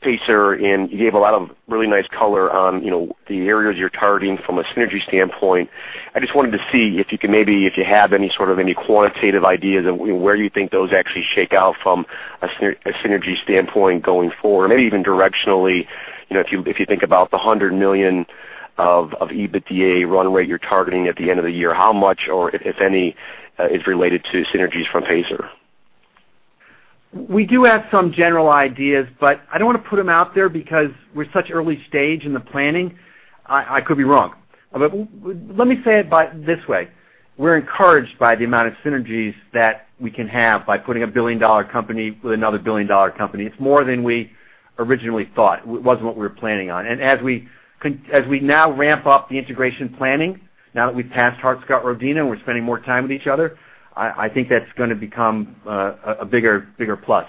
Speaker 13: Pacer, and you gave a lot of really nice color on, you know, the areas you're targeting from a synergy standpoint. I just wanted to see if you can maybe, if you have any sort of any quantitative ideas of where you think those actually shake out from a synergy standpoint going forward, maybe even directionally. You know, if you, if you think about the $100 million of EBITDA runway you're targeting at the end of the year, how much, or if, if any, is related to synergies from Pacer?
Speaker 2: We do have some general ideas, but I don't want to put them out there because we're such early stage in the planning. I could be wrong. But let me say it by this way: we're encouraged by the amount of synergies that we can have by putting a billion-dollar company with another billion-dollar company. It's more than we originally thought. It wasn't what we were planning on. And as we now ramp up the integration planning, now that we've passed Hart-Scott-Rodino, we're spending more time with each other. I think that's going to become a bigger, bigger plus.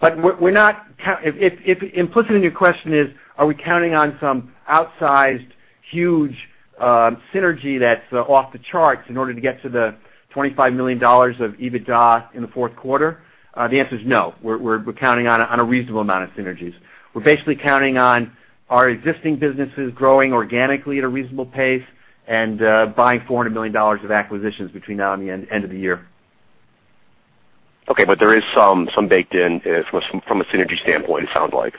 Speaker 2: But we're not count... If implicitly, your question is, are we counting on some outsized, huge synergy that's off the charts in order to get to the $25 million of EBITDA in the fourth quarter? The answer is no. We're counting on a reasonable amount of synergies. We're basically counting on our existing businesses growing organically at a reasonable pace and buying $400 million of acquisitions between now and the end of the year.
Speaker 13: Okay, but there is some baked in from a synergy standpoint, it sounds like?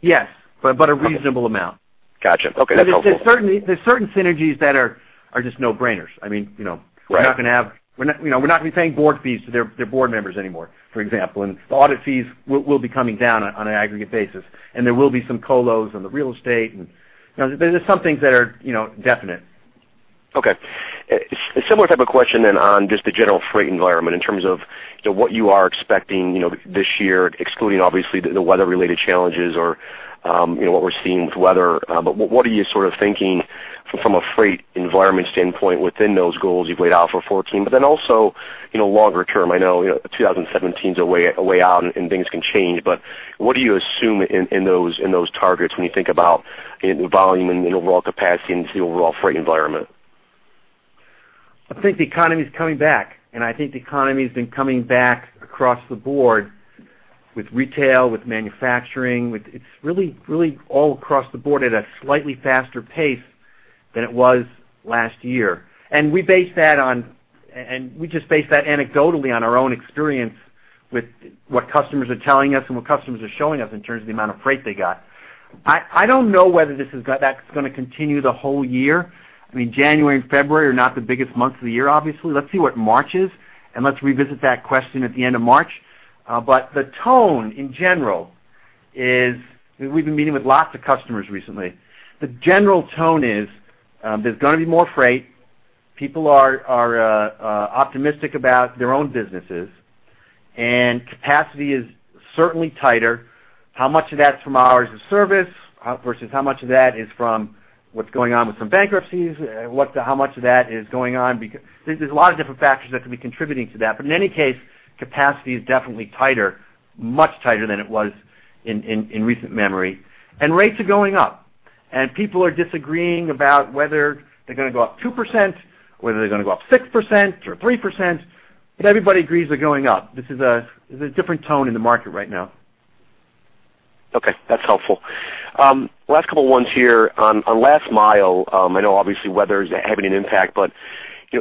Speaker 2: Yes, but, but a reasonable amount.
Speaker 13: Gotcha. Okay, that's helpful.
Speaker 2: There's certain synergies that are just no-brainers. I mean, you know-
Speaker 13: Right.
Speaker 2: We're not, you know, we're not going to be paying board fees to their board members anymore, for example. And the audit fees will be coming down on an aggregate basis, and there will be some closures on the real estate, and, you know, there's some things that are, you know, definite.
Speaker 13: Okay. Similar type of question then on just the general freight environment, in terms of, you know, what you are expecting, you know, this year, excluding obviously the weather-related challenges or, you know, what we're seeing with weather. But what are you sort of thinking from a freight environment standpoint within those goals you've laid out for 2014, but then also, you know, longer term? I know, you know, 2017 is a way, a way out and things can change, but what do you assume in those targets when you think about volume and overall capacity and just the overall freight environment?
Speaker 2: I think the economy is coming back, and I think the economy has been coming back across the board... with retail, with manufacturing, with—it's really, really all across the board at a slightly faster pace than it was last year. We base that on, and we just base that anecdotally on our own experience with what customers are telling us and what customers are showing us in terms of the amount of freight they got. I don't know whether this is, that's going to continue the whole year. I mean, January and February are not the biggest months of the year, obviously. Let's see what March is, and let's revisit that question at the end of March. But the tone in general is, we've been meeting with lots of customers recently. The general tone is, there's going to be more freight. People are optimistic about their own businesses, and capacity is certainly tighter. How much of that's from hours of service versus how much of that is from what's going on with some bankruptcies? There's a lot of different factors that could be contributing to that. But in any case, capacity is definitely tighter, much tighter than it was in recent memory, and rates are going up. People are disagreeing about whether they're going to go up 2%, whether they're going to go up 6% or 3%, but everybody agrees they're going up. This is a different tone in the market right now.
Speaker 13: Okay, that's helpful. Last couple ones here. On last mile, I know obviously, weather is having an impact, but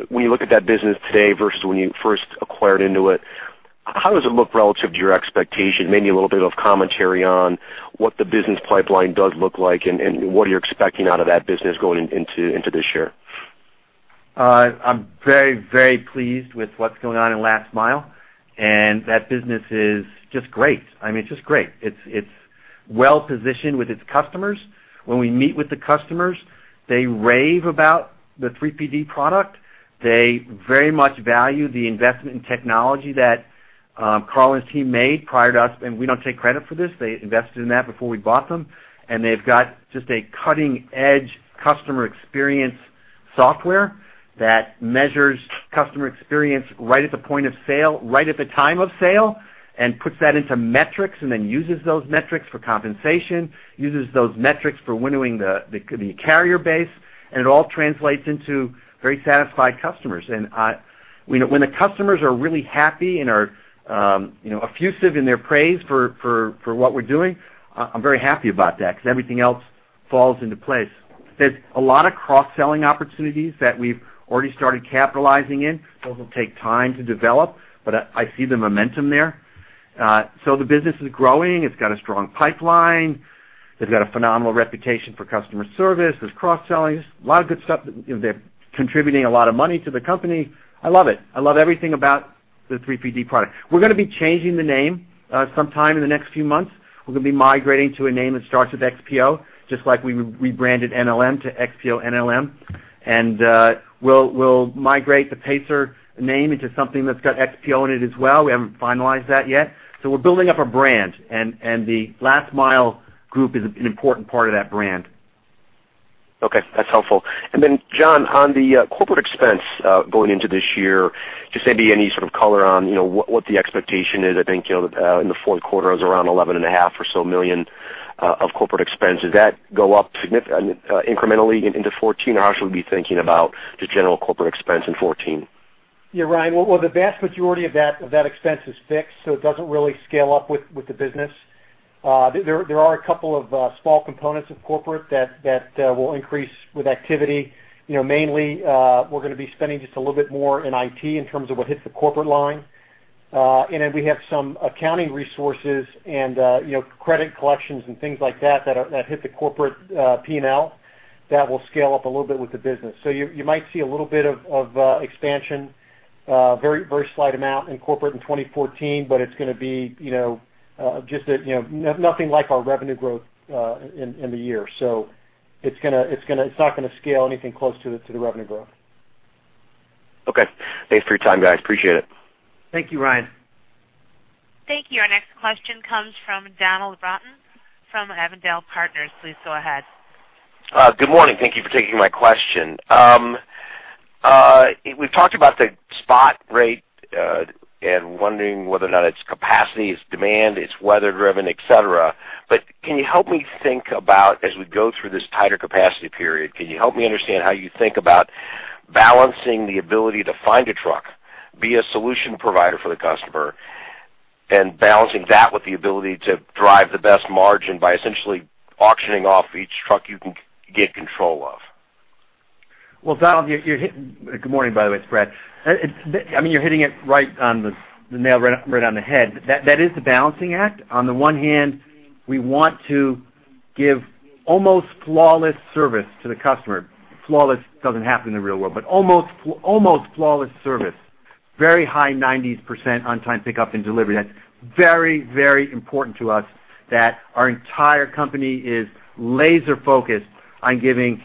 Speaker 13: when you look at that business today versus when you first acquired into it, how does it look relative to your expectation? Maybe a little bit of commentary on what the business pipeline does look like and what you're expecting out of that business going into this year.
Speaker 2: I'm very, very pleased with what's going on in Last Mile, and that business is just great. I mean, it's just great. It's well positioned with its customers. When we meet with the customers, they rave about the 3PD product. They very much value the investment in technology that, Karl and his team made prior to us, and we don't take credit for this. They invested in that before we bought them, and they've got just a cutting-edge customer experience software that measures customer experience right at the point of sale, right at the time of sale, and puts that into metrics, and then uses those metrics for compensation, uses those metrics for winnowing the carrier base, and it all translates into very satisfied customers. And I when the customers are really happy and are, you know, effusive in their praise for what we're doing, I'm very happy about that because everything else falls into place. There's a lot of cross-selling opportunities that we've already started capitalizing in. Those will take time to develop, but I see the momentum there. So the business is growing. It's got a strong pipeline. They've got a phenomenal reputation for customer service. There's cross-selling. A lot of good stuff. They're contributing a lot of money to the company. I love it. I love everything about the 3PD product. We're going to be changing the name, sometime in the next few months. We're going to be migrating to a name that starts with XPO, just like we rebranded NLM to XPO NLM. We'll migrate the Pacer name into something that's got XPO in it as well. We haven't finalized that yet. So we're building up a brand, and the Last Mile group is an important part of that brand.
Speaker 13: Okay, that's helpful. Then, John, on the corporate expense going into this year, just maybe any sort of color on, you know, what the expectation is. I think, you know, in the fourth quarter, it was around $11.5 million or so of corporate expense. Does that go up incrementally into 2014, or how should we be thinking about the general corporate expense in 2014?
Speaker 3: Yeah, Ryan, well, the vast majority of that, of that expense is fixed, so it doesn't really scale up with, with the business. There, there are a couple of small components of corporate that, that will increase with activity. You know, mainly, we're going to be spending just a little bit more in IT in terms of what hits the corporate line. And then we have some accounting resources and, you know, credit collections and things like that, that, that hit the corporate, PNL, that will scale up a little bit with the business. So you, you might see a little bit of, of expansion, very, very slight amount in corporate in 2014, but it's going to be, you know, just a, you know, nothing like our revenue growth, in, in the year. So it's not going to scale anything close to the revenue growth.
Speaker 13: Okay. Thanks for your time, guys. Appreciate it.
Speaker 3: Thank you, Ryan.
Speaker 1: Thank you. Our next question comes from Donald Broughton from Avondale Partners. Please go ahead.
Speaker 14: Good morning. Thank you for taking my question. We've talked about the spot rate, and wondering whether or not it's capacity, it's demand, it's weather-driven, et cetera. But can you help me think about as we go through this tighter capacity period, can you help me understand how you think about balancing the ability to find a truck, be a solution provider for the customer, and balancing that with the ability to drive the best margin by essentially auctioning off each truck you can get control of?
Speaker 2: Well, Donald, you're hitting... Good morning, by the way, it's Brad. I mean, you're hitting it right on the nail, right on the head. That is the balancing act. On the one hand, we want to give almost flawless service to the customer. Flawless doesn't happen in the real world, but almost flawless service, very high 90% on-time pickup and delivery. That's very important to us that our entire company is laser focused on giving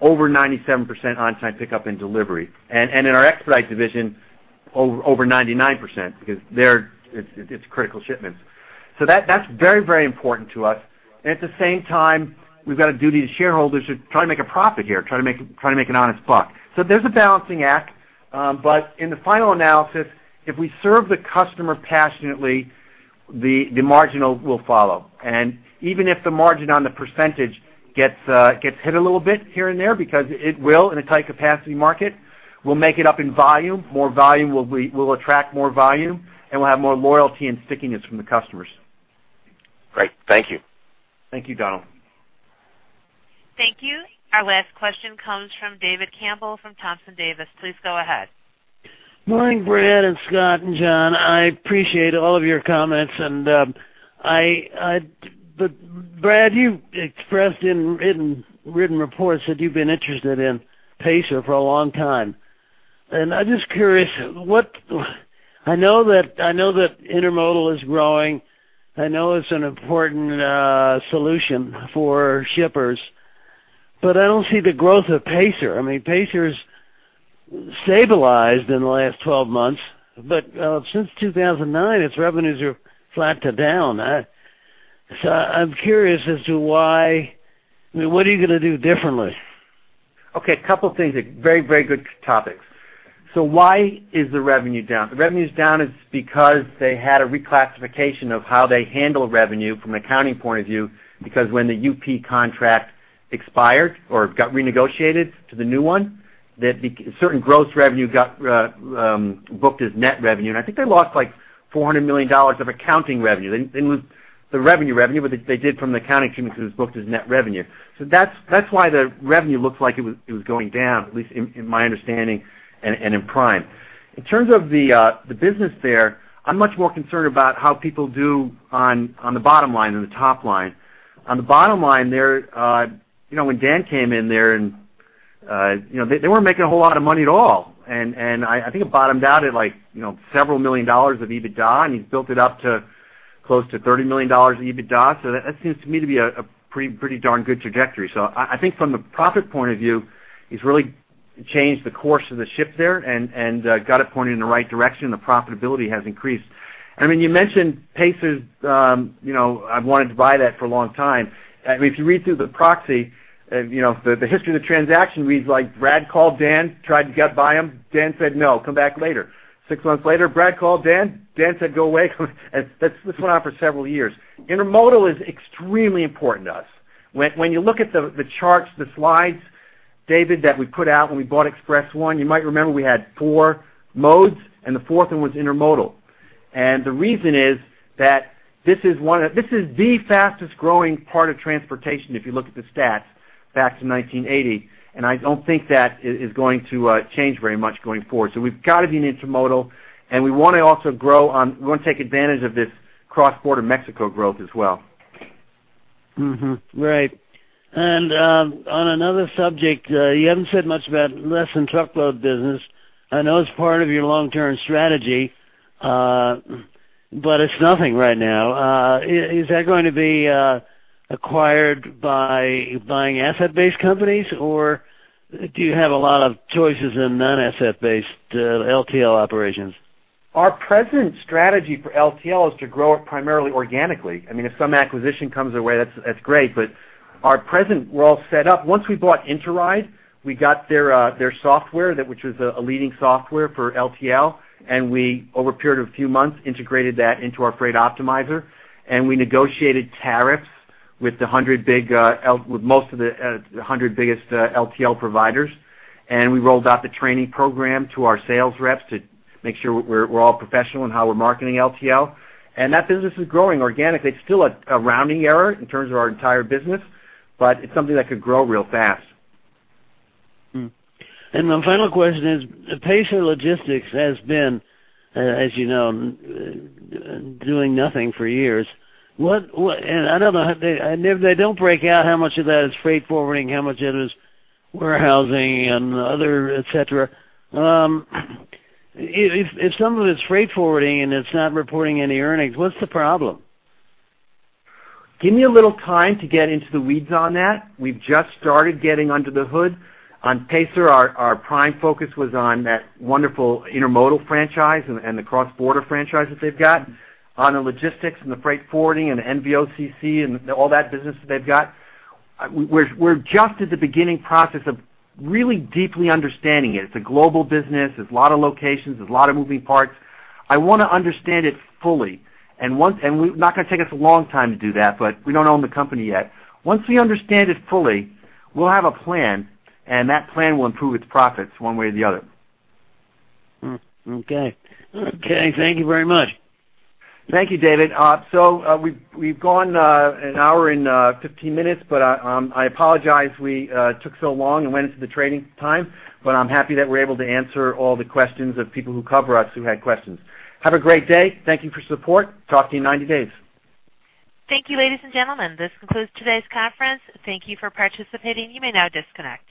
Speaker 2: over 97% on-time pickup and delivery. And in our expedite division, over 99%, because there it's critical shipments. So that's very important to us. And at the same time, we've got a duty to shareholders to try to make a profit here, try to make an honest buck. So there's a balancing act, but in the final analysis, if we serve the customer passionately, the marginal will follow. And even if the margin on the percentage gets hit a little bit here and there, because it will in a tight capacity market, we'll make it up in volume. More volume we'll attract more volume, and we'll have more loyalty and stickiness from the customers.
Speaker 14: Great. Thank you.
Speaker 2: Thank you, Donald.
Speaker 1: ...Thank you. Our last question comes from David Campbell from Thompson Davis & Co. Please go ahead.
Speaker 15: Morning, Brad and Scott and John. I appreciate all of your comments, and, but Brad, you expressed in written, written reports that you've been interested in Pacer for a long time. I'm just curious, what... I know that, I know that intermodal is growing. I know it's an important solution for shippers, but I don't see the growth of Pacer. I mean, Pacer's stabilized in the last 12 months, but, since 2009, its revenues are flat to down. So I'm curious as to why, I mean, what are you going to do differently?
Speaker 2: Okay, a couple things. Very, very good topics. So why is the revenue down? The revenue is down is because they had a reclassification of how they handle revenue from an accounting point of view, because when the UP contract expired or got renegotiated to the new one, that the certain gross revenue got booked as net revenue, and I think they lost, like, $400 million of accounting revenue. They, they lose the revenue revenue, but they did from the accounting treatment because it was booked as net revenue. So that's, that's why the revenue looked like it was, it was going down, at least in, in my understanding and, and in Prime. In terms of the, the business there, I'm much more concerned about how people do on, on the bottom line than the top line. On the bottom line there, you know, when Dan came in there and, you know, they weren't making a whole lot of money at all. And, I think it bottomed out at, like, you know, several million dollars of EBITDA, and he built it up to close to $30 million of EBITDA. So that seems to me to be a pretty darn good trajectory. So I think from the profit point of view, he's really changed the course of the ship there and, got it pointed in the right direction, the profitability has increased. I mean, you mentioned Pacer's, you know, I've wanted to buy that for a long time. I mean, if you read through the proxy, and you know, the history of the transaction reads like, Brad called Dan, tried to get by him. Dan said, "No. Come back later." Six months later, Brad called Dan. Dan said, "Go away." And that's... This went on for several years. Intermodal is extremely important to us. When, when you look at the, the charts, the slides, David, that we put out when we bought Express-1, you might remember we had four modes, and the fourth one was intermodal. And the reason is that this is one of... This is the fastest growing part of transportation, if you look at the stats back to 1980, and I don't think that is, is going to change very much going forward. So we've got to be in intermodal, and we want to also grow on, we want to take advantage of this cross-border Mexico growth as well.
Speaker 15: Mm-hmm. Right. And, on another subject, you haven't said much about less than truckload business. I know it's part of your long-term strategy, but it's nothing right now. Is that going to be acquired by buying asset-based companies, or do you have a lot of choices in non-asset-based LTL operations?
Speaker 2: Our present strategy for LTL is to grow it primarily organically. I mean, if some acquisition comes our way, that's great, but at present, we're all set up. Once we bought Interide, we got their software, which was a leading software for LTL, and we, over a period of a few months, integrated that into our Freight Optimizer, and we negotiated tariffs with most of the 100 biggest LTL providers. We rolled out the training program to our sales reps to make sure we're all professional in how we're marketing LTL. That business is growing organically. It's still a rounding error in terms of our entire business, but it's something that could grow real fast.
Speaker 15: Hmm. And my final question is, Pacer International has been, as you know, doing nothing for years. What... And I don't know, they don't break out how much of that is freight forwarding, how much of it is warehousing and other, et cetera. If some of it's freight forwarding and it's not reporting any earnings, what's the problem?
Speaker 2: Give me a little time to get into the weeds on that. We've just started getting under the hood. On Pacer, our prime focus was on that wonderful intermodal franchise and the cross-border franchise that they've got. On the logistics and the freight forwarding and the NVOCC and all that business that they've got, we're just at the beginning process of really deeply understanding it. It's a global business. There's a lot of locations. There's a lot of moving parts. I want to understand it fully, and once. And we're not going to take us a long time to do that, but we don't own the company yet. Once we understand it fully, we'll have a plan, and that plan will improve its profits one way or the other.
Speaker 15: Hmm. Okay. Okay, thank you very much.
Speaker 2: Thank you, David. So, we've gone an hour and 15 minutes, but I apologize we took so long and went into the training time, but I'm happy that we're able to answer all the questions of people who cover us, who had questions. Have a great day. Thank you for your support. Talk to you in 90 days.
Speaker 1: Thank you, ladies and gentlemen. This concludes today's conference. Thank you for participating. You may now disconnect.